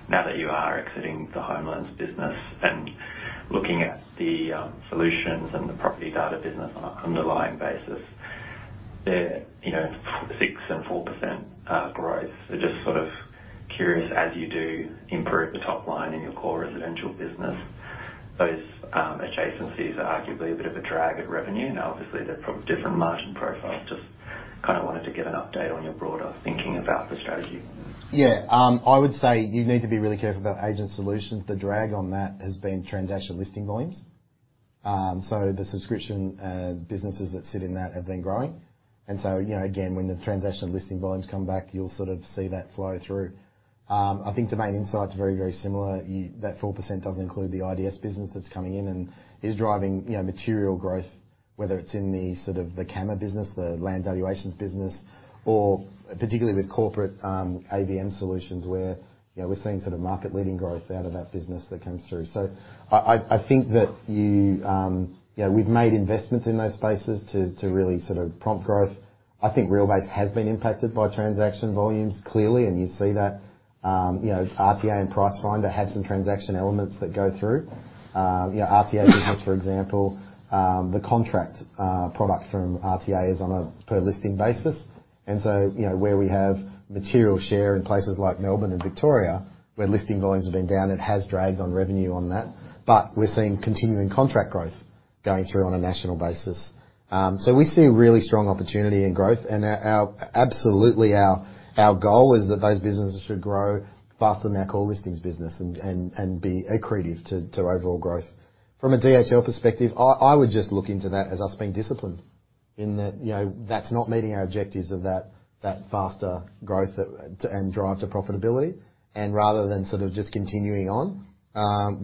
now that you are exiting the home loans business and looking at the solutions and the property data business on an underlying basis. They're, you know, 6% and 4% growth. Just sort of curious, as you do improve the top line in your core residential business, those adjacencies are arguably a bit of a drag at revenue. Obviously, they're from different margin profiles. Just kind of wanted to get an update on your broader thinking about the strategy. Yeah. I would say you need to be really careful about Agent Solutions. The drag on that has been transactional listing volumes. So the subscription businesses that sit in that have been growing, and so, you know, again, when the transactional listing volumes come back, you'll sort of see that flow through. I think Domain Insight are very, very similar. That 4% doesn't include the IDS business that's coming in and is driving, you know, material growth, whether it's in the sort of the CAMA business, the land valuations business, or particularly with corporate AVM solutions, where, you know, we're seeing sort of market-leading growth out of that business that comes through. I, I, I think that you, you know, we've made investments in those spaces to, to really sort of prompt growth. I think Realbase has been impacted by transaction volumes clearly, and you see that, you know, RTA and Pricefinder have some transaction elements that go through. You know, RTA, for example, the contract product from RTA is on a per listing basis. You know, where we have material share in places like Melbourne and Victoria, where listing volumes have been down, it has dragged on revenue on that, but we're seeing continuing contract growth going through on a national basis. We see really strong opportunity and growth, and our, our, absolutely our, our goal is that those businesses should grow faster than our core listings business and, and, and be accretive to, to overall growth. From a DHL perspective, I, I would just look into that as us being disciplined in that, you know, that's not meeting our objectives of that, that faster growth that, and drive to profitability. Rather than sort of just continuing on,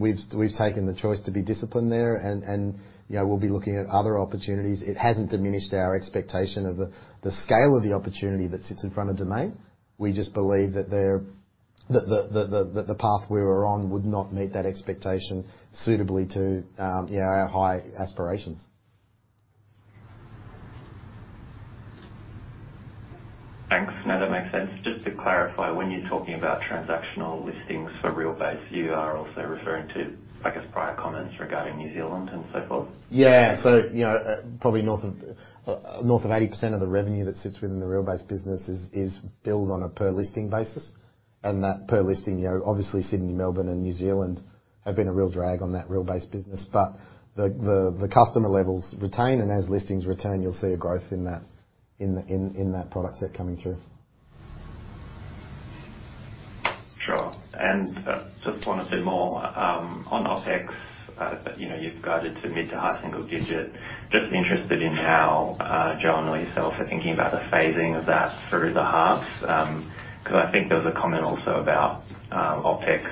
we've, we've taken the choice to be disciplined there and, and, you know, we'll be looking at other opportunities. It hasn't diminished our expectation of the, the scale of the opportunity that sits in front of Domain. We just believe that there, that the, the, the, that the path we were on would not meet that expectation suitably to, you know, our high aspirations. Thanks. No, that makes sense. Just to clarify, when you're talking about transactional listings for Realbase, you are also referring to, I guess, prior comments regarding New Zealand and so forth? Yeah. You know, probably north of, north of 80% of the revenue that sits within the Realbase business is, is billed on a per listing basis, and that per listing, you know, obviously Sydney, Melbourne and New Zealand have been a real drag on that Realbase business. The customer levels retain, and as listings return, you'll see a growth in that product set coming through. Sure. Just one a bit more on OpEx. You know, you've guided to mid to high single digit. Just interested in how John and yourself are thinking about the phasing of that through the halves. Because I think there was a comment also about OpEx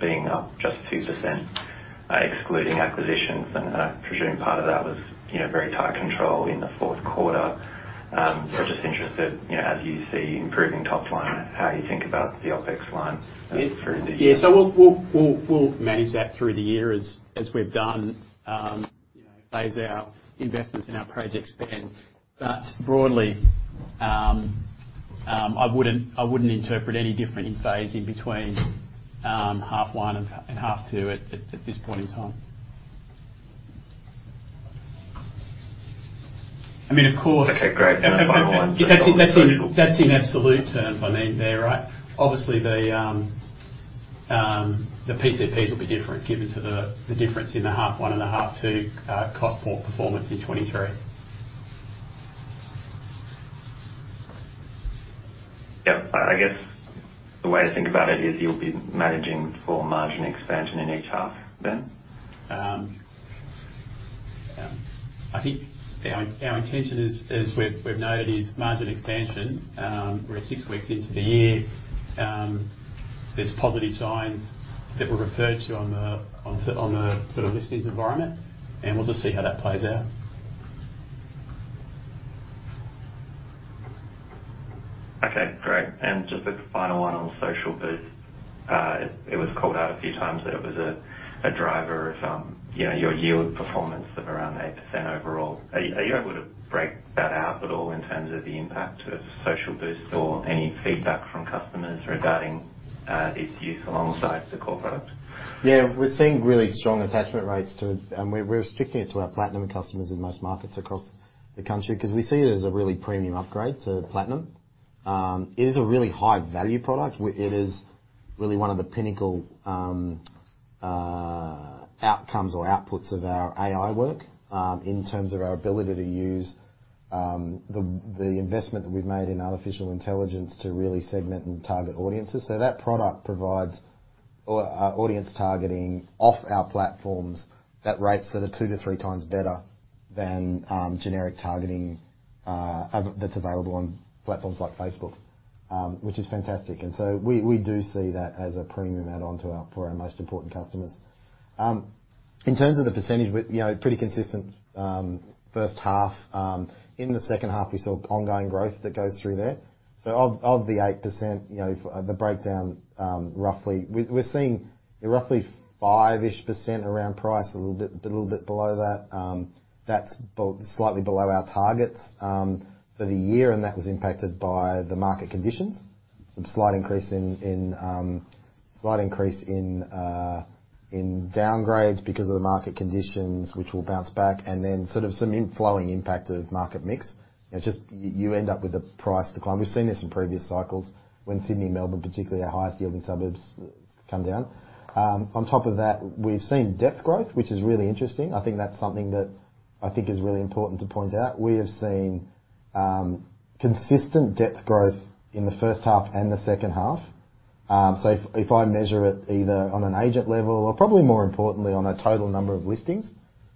being up just 2%, excluding acquisitions, and I presume part of that was, you know, very tight control in the fourth quarter. Just interested, you know, as you see improving top line, how you think about the OpEx line through the year? Yeah. we'll, we'll, we'll, we'll manage that through the year as, as we've done, you know, phase out investments in our project spend. broadly, I wouldn't, I wouldn't interpret any different in phasing between H1 and H2 at this point in time. I mean, of course... Okay, great. That's, that's in absolute terms, I mean there, right? Obviously, the PCPs will be different, given to the difference in the half one and a half two, cost performance in 2023. Yep, I, I guess the way to think about it is you'll be managing for margin expansion in each half then? I think our, our intention is, as we've, we've noted, is margin expansion. We're six weeks into the year. There's positive signs that were referred to on the, on the, on the sort of listings environment, we'll just see how that plays out. Okay, great. Just a final one on Social Boost. It was called out a few times that it was a driver of, you know, your yield performance of around 8% overall. Are you able to break that out at all in terms of the impact of Social Boost or any feedback from customers regarding its use alongside the core product? Yeah, we're seeing really strong attachment rates. We're, we're restricting it to our Platinum customers in most markets across the country, because we see it as a really premium upgrade to Platinum. It is a really high-value product. It is really one of the pinnacle outcomes or outputs of our AI work, in terms of our ability to use the investment that we've made in artificial intelligence to really segment and target audiences. That product provides audience targeting off our platforms at rates that are two to three times better than generic targeting that's available on platforms like Facebook, which is fantastic. So we, we do see that as a premium add-on for our most important customers. In terms of the percentage, we, you know, pretty consistent first half. In the second half, we saw ongoing growth that goes through there. Of, of the 8%, you know, the breakdown, roughly, we, we're seeing roughly 5%-ish around price, a little bit, little bit below that. That's slightly below our targets for the year, and that was impacted by the market conditions. Some slight increase in, in, slight increase in downgrades because of the market conditions, which will bounce back, and then sort of some flowing impact of market mix. It's just you, you end up with a price decline. We've seen this in previous cycles when Sydney and Melbourne, particularly our highest-yielding suburbs, come down. On top of that, we've seen depth growth, which is really interesting. I think that's something that I think is really important to point out. We have seen consistent depth growth in the first half and the second half. So if I measure it either on an agent level or probably more importantly, on a total number of listings,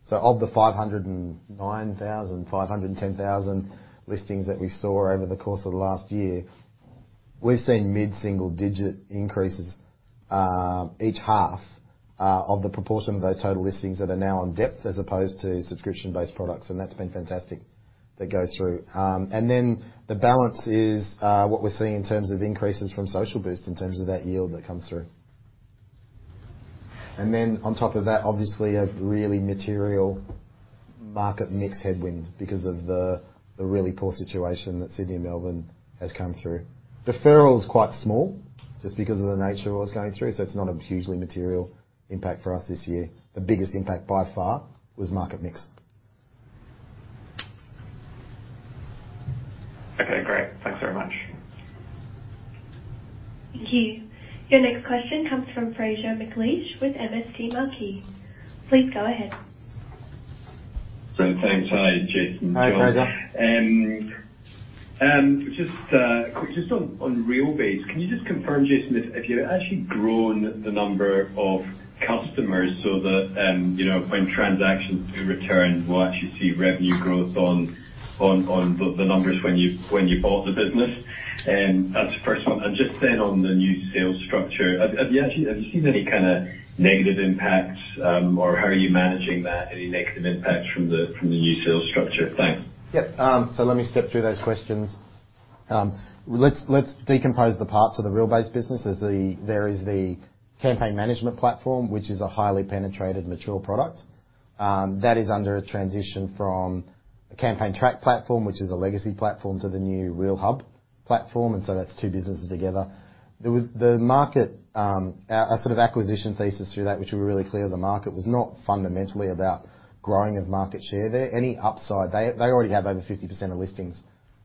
so of the 509,000, 510,000 listings that we saw over the course of the last year, we've seen mid-single digit increases each half of the proportion of those total listings that are now on depth as opposed to subscription-based products, and that's been fantastic. That goes through. Then the balance is what we're seeing in terms of increases from Social Boost, in terms of that yield that comes through. On top of that, obviously, a really material market mix headwind because of the really poor situation that Sydney and Melbourne has come through. Deferral is quite small, just because of the nature of what it's going through, so it's not a hugely material impact for us this year. The biggest impact, by far, was market mix. Okay, great. Thanks very much. Thank you. Your next question comes from Fraser McLeish with MST Marquee. Please go ahead. Great, thanks. Hi, Jason and John. Hi, Fraser. Just on Realbase, can you just confirm, Jason, if you've actually grown the number of customers so that, you know, when transactions do return, we'll actually see revenue growth on the numbers when you, when you bought the business? That's the first one. Just then, on the new sales structure, have, have you actually, have you seen any kind of negative impacts, or how are you managing that? Any negative impacts from the, from the new sales structure? Thanks. Yep. Let me step through those questions. Let's decompose the parts of the Realbase business. There is the campaign management platform, which is a highly penetrated, mature product. That is under a transition from a Campaigntrack platform, which is a legacy platform, to the new Realhub platform, so that's two businesses together. The market, our sort of acquisition thesis through that, which we're really clear, the market was not fundamentally about growing of market share there. Any upside, they already have over 50% of listings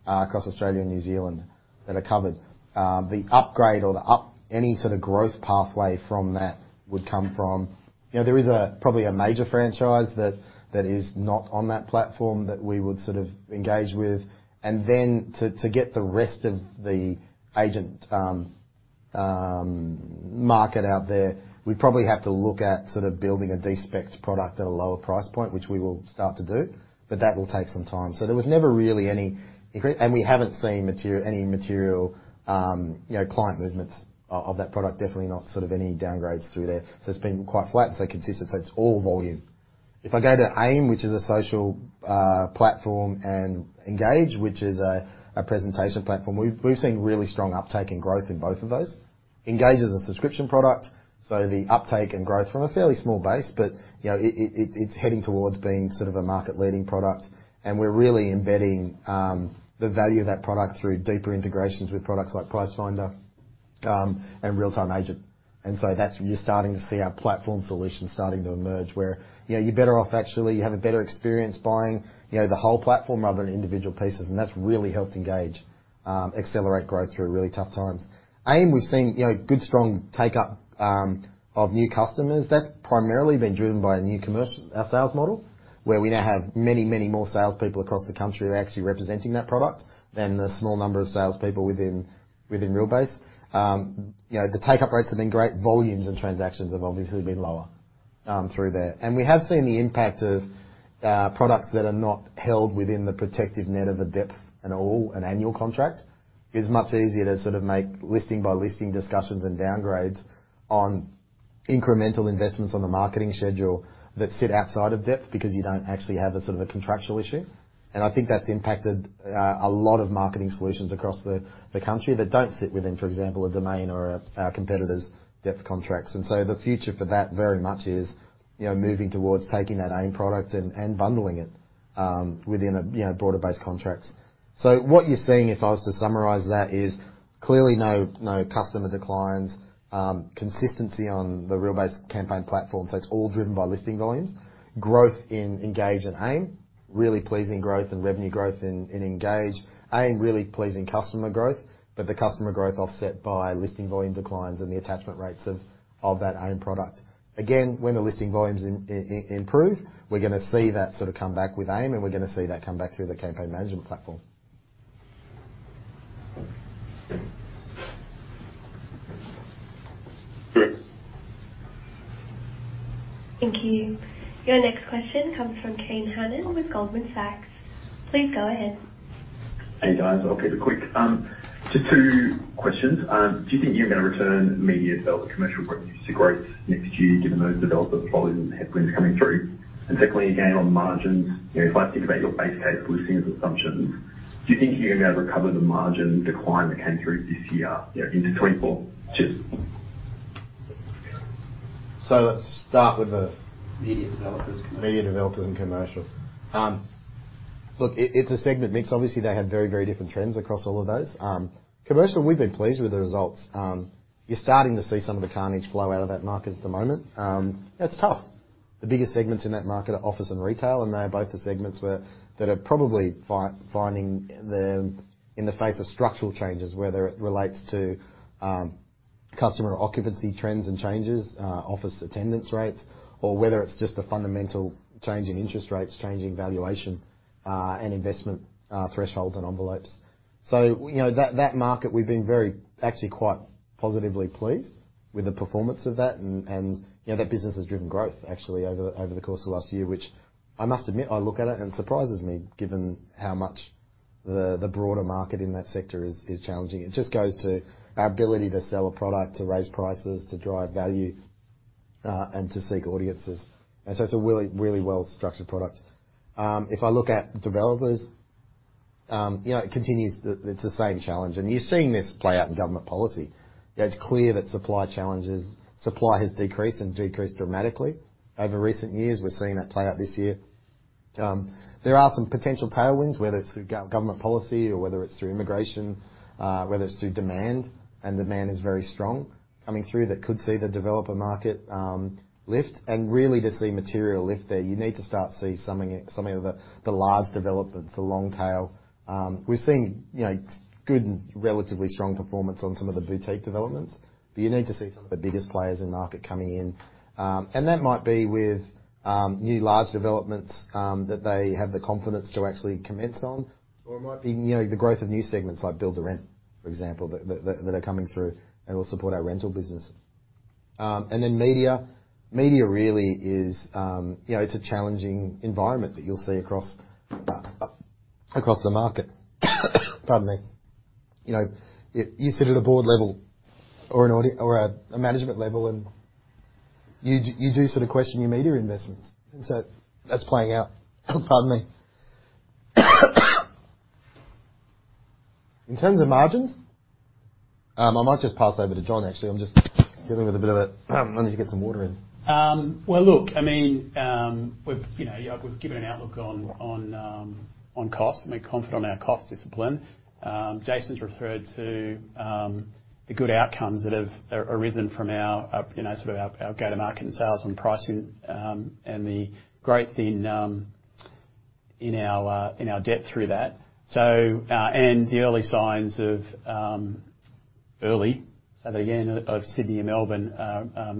across Australia and New Zealand that are covered. The upgrade or any sort of growth pathway from that would come from, you know, there is probably a major franchise that is not on that platform that we would sort of engage with. To get the rest of the agent market out there, we'd probably have to look at sort of building a de-specked product at a lower price point, which we will start to do, but that will take some time. There was never really any and we haven't seen material, any material, you know, client movements of that product, definitely not sort of any downgrades through there. It's been quite flat, so consistent, so it's all volume. If I go to AIM, which is a social platform, and Engage, which is a presentation platform, we've, we've seen really strong uptake in growth in both of those. Engage is a subscription product, so the uptake and growth from a fairly small base, but, you know, it, it, it's heading towards being sort of a market-leading product. We're really embedding the value of that product through deeper integrations with products like Pricefinder, and RealTime Agent. That's where you're starting to see our platform solution starting to emerge, where, you know, you're better off actually, you have a better experience buying, you know, the whole platform rather than individual pieces, and that's really helped Engage accelerate growth through really tough times. AIM, we've seen, you know, good, strong take-up of new customers. That's primarily been driven by a new commercial, our sales model, where we now have many, many more salespeople across the country who are actually representing that product than the small number of salespeople within, within Realbase. You know, the take-up rates have been great. Volumes and transactions have obviously been lower through there. We have seen the impact of products that are not held within the protective net of a depth and all, an annual contract. It's much easier to sort of make listing by listing discussions and downgrades on incremental investments on the marketing schedule that sit outside of depth because you don't actually have a sort of a contractual issue. I think that's impacted a lot of marketing solutions across the country that don't sit within, for example, a Domain or a, our competitor's depth contracts. The future for that very much is, you know, moving towards taking that AIM product and bundling it within a, you know, broader-based contracts. What you're seeing, if I was to summarize that, is clearly no, no customer declines, consistency on the Realbase campaign platform. It's all driven by listing volumes. Growth in Engage and Aim, really pleasing growth and revenue growth in, in Engage. Aim, really pleasing customer growth, but the customer growth offset by listing volume declines and the attachment rates of, of that Aim product. Again, when the listing volumes improve, we're gonna see that sort of come back with Aim, and we're gonna see that come back through the campaign management platform. Great. Thank you. Your next question comes from Kane Hannan with Goldman Sachs. Please go ahead. Hey, guys. I'll keep it quick. Just two questions. Do you think you're gonna return media developer commercial growth rates next year, given those developers volumes and headwinds coming through? Secondly, again, on margins, you know, if I think about your base case listing assumptions, do you think you're going to be able to recover the margin decline that came through this year, you know, into 2024? Cheers. Let's start. Media, developers, Media, developers, and commercial. It's a segment mix. They had very, very different trends across all of those. Commercial, we've been pleased with the results. You're starting to see some of the carnage flow out of that market at the moment. It's tough. The biggest segments in that market are office and retail, and they are both the segments that are probably finding the, in the face of structural changes, whether it relates to, customer occupancy trends and changes, office attendance rates, or whether it's just a fundamental change in interest rates, changing valuation, and investment, thresholds and envelopes. You know, that market, we've been very, actually quite positively pleased with the performance of that. You know, that business has driven growth actually over the, over the course of last year, which I must admit, I look at it and it surprises me, given how much the, the broader market in that sector is, is challenging. It just goes to our ability to sell a product, to raise prices, to drive value, and to seek audiences. It's a really, really well-structured product. If I look at developers, you know, it's the same challenge, and you're seeing this play out in government policy. It's clear that supply challenges, supply has decreased and decreased dramatically over recent years. We're seeing that play out this year. There are some potential tailwinds, whether it's through government policy or whether it's through immigration, whether it's through demand, and demand is very strong coming through. That could see the developer market lift. Really to see material lift there, you need to start to see some of, some of the, the large developments, the long tail. We're seeing, you know, good and relatively strong performance on some of the boutique developments, but you need to see some of the biggest players in the market coming in. That might be with new large developments that they have the confidence to actually commence on. Or it might be, you know, the growth of new segments like build to rent, for example, that, that, that are coming through and will support our rental business. Then media. Media really is, you know, it's a challenging environment that you'll see across the market. Pardon me. You know, you, you sit at a board level or a management level, you do sort of question your media investments, that's playing out. Pardon me. In terms of margins, I might just pass over to John, actually. I'm just dealing with a bit of a, I need to get some water in. Well, look, I mean, we've, you know, we've given an outlook on, on, on cost. We're confident on our cost discipline. Jason's referred to, the good outcomes that have ar- arisen from our, you know, sort of our, our go-to-market and sales and pricing, and the growth in, in our, in our depth through that. The early signs of, early, so again, of Sydney and Melbourne,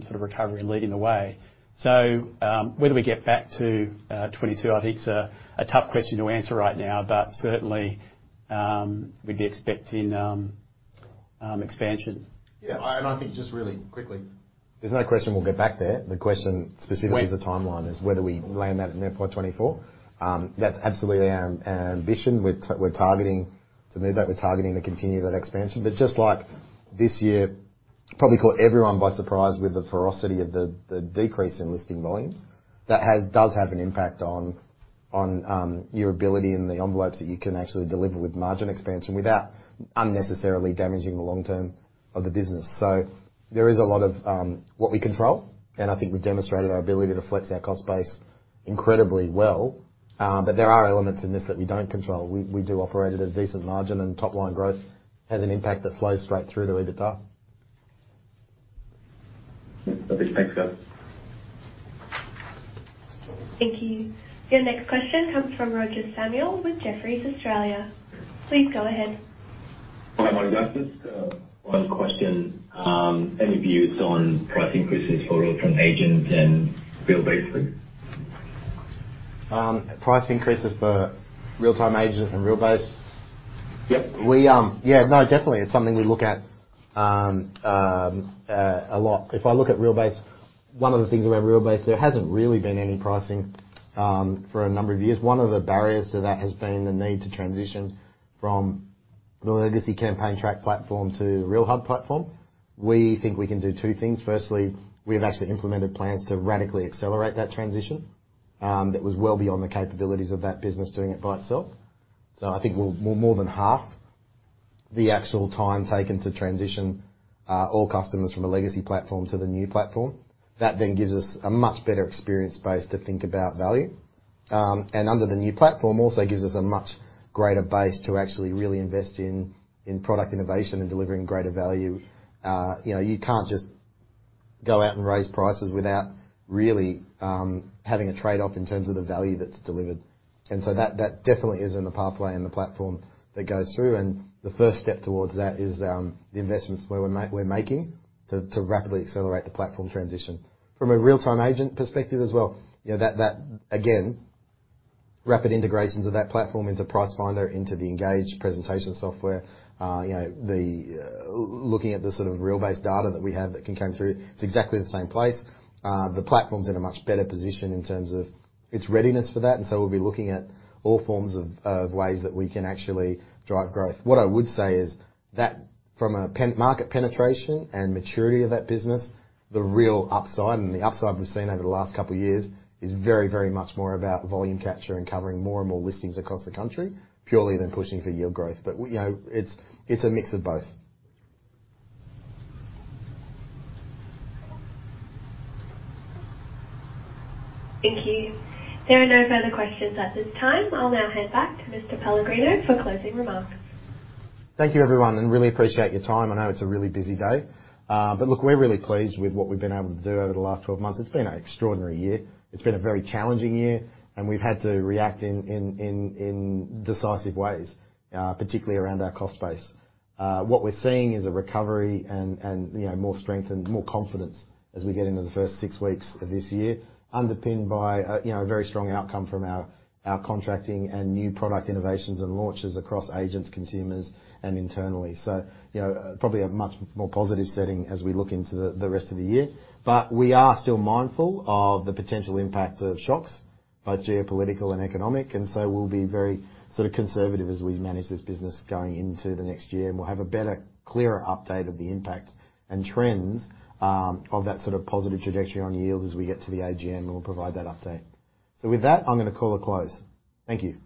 sort of recovery and leading the way. Whether we get back to, 2022, I think it's a, a tough question to answer right now, but certainly, we'd be expecting, expansion. Yeah, I think just really quickly, there's no question we'll get back there. The question specifically when is the timeline, is whether we land that in FY 2024. That's absolutely our, our ambition. We're targeting to move that. We're targeting to continue that expansion. Just like this year, probably caught everyone by surprise with the ferocity of the, the decrease in listing volumes, that does have an impact on, on, your ability and the envelopes that you can actually deliver with margin expansion without unnecessarily damaging the long term of the business. There is a lot of what we control, and I think we've demonstrated our ability to flex our cost base incredibly well. There are elements in this that we don't control. We, we do operate at a decent margin, and top-line growth has an impact that flows straight through to EBITDA. Yeah. Lovely. Thanks, guys. Thank you. Your next question comes from Roger Samuel with Jefferies Australia. Please go ahead. Hi, John and Jason. Just, one question. Any views on price increases for RealTime Agent and Realbase? Price increases for RealTime Agent and Realbase? Yep. We. Yeah, no, definitely. It's something we look at a lot. If I look at Realbase, one of the things about Realbase, there hasn't really been any pricing for a number of years. One of the barriers to that has been the need to transition from the legacy Campaigntrack platform to Realhub platform. We think we can do two things. Firstly, we've actually implemented plans to radically accelerate that transition that was well beyond the capabilities of that business doing it by itself. I think we'll, we'll more than half the actual time taken to transition all customers from a legacy platform to the new platform. That then gives us a much better experience base to think about value. Under the new platform, also gives us a much greater base to actually really invest in, in product innovation and delivering greater value. You know, you can't just go out and raise prices without really having a trade-off in terms of the value that's delivered. That, that definitely is in the pathway and the platform that goes through. The first step towards that is the investments we're making to rapidly accelerate the platform transition. From a RealTime Agent perspective as well, you know, that, that, again, rapid integrations of that platform into Pricefinder, into the Engage presentation software, you know, the looking at the sort of Realbase data that we have that can come through, it's exactly the same place. The platform's in a much better position in terms of its readiness for that, and so we'll be looking at all forms of ways that we can actually drive growth. What I would say is that from a market penetration and maturity of that business, the real upside and the upside we've seen over the last couple of years is very, very much more about volume capture and covering more and more listings across the country, purely than pushing for yield growth. You know, it's a mix of both. Thank you. There are no further questions at this time. I'll now hand back to Mr. Pellegrino for closing remarks. Thank you, everyone, really appreciate your time. I know it's a really busy day. Look, we're really pleased with what we've been able to do over the last 12 months. It's been an extraordinary year. It's been a very challenging year, we've had to react in decisive ways, particularly around our cost base. What we're seeing is a recovery and, you know, more strength and more confidence as we get into the first six weeks of this year, underpinned by a, you know, a very strong outcome from our contracting and new product innovations and launches across agents, consumers, and internally. You know, probably a much more positive setting as we look into the rest of the year. We are still mindful of the potential impact of shocks, both geopolitical and economic, and so we'll be very sort of conservative as we manage this business going into the next year. We'll have a better, clearer update of the impact and trends of that sort of positive trajectory on yields as we get to the AGM, and we'll provide that update. With that, I'm gonna call a close. Thank you.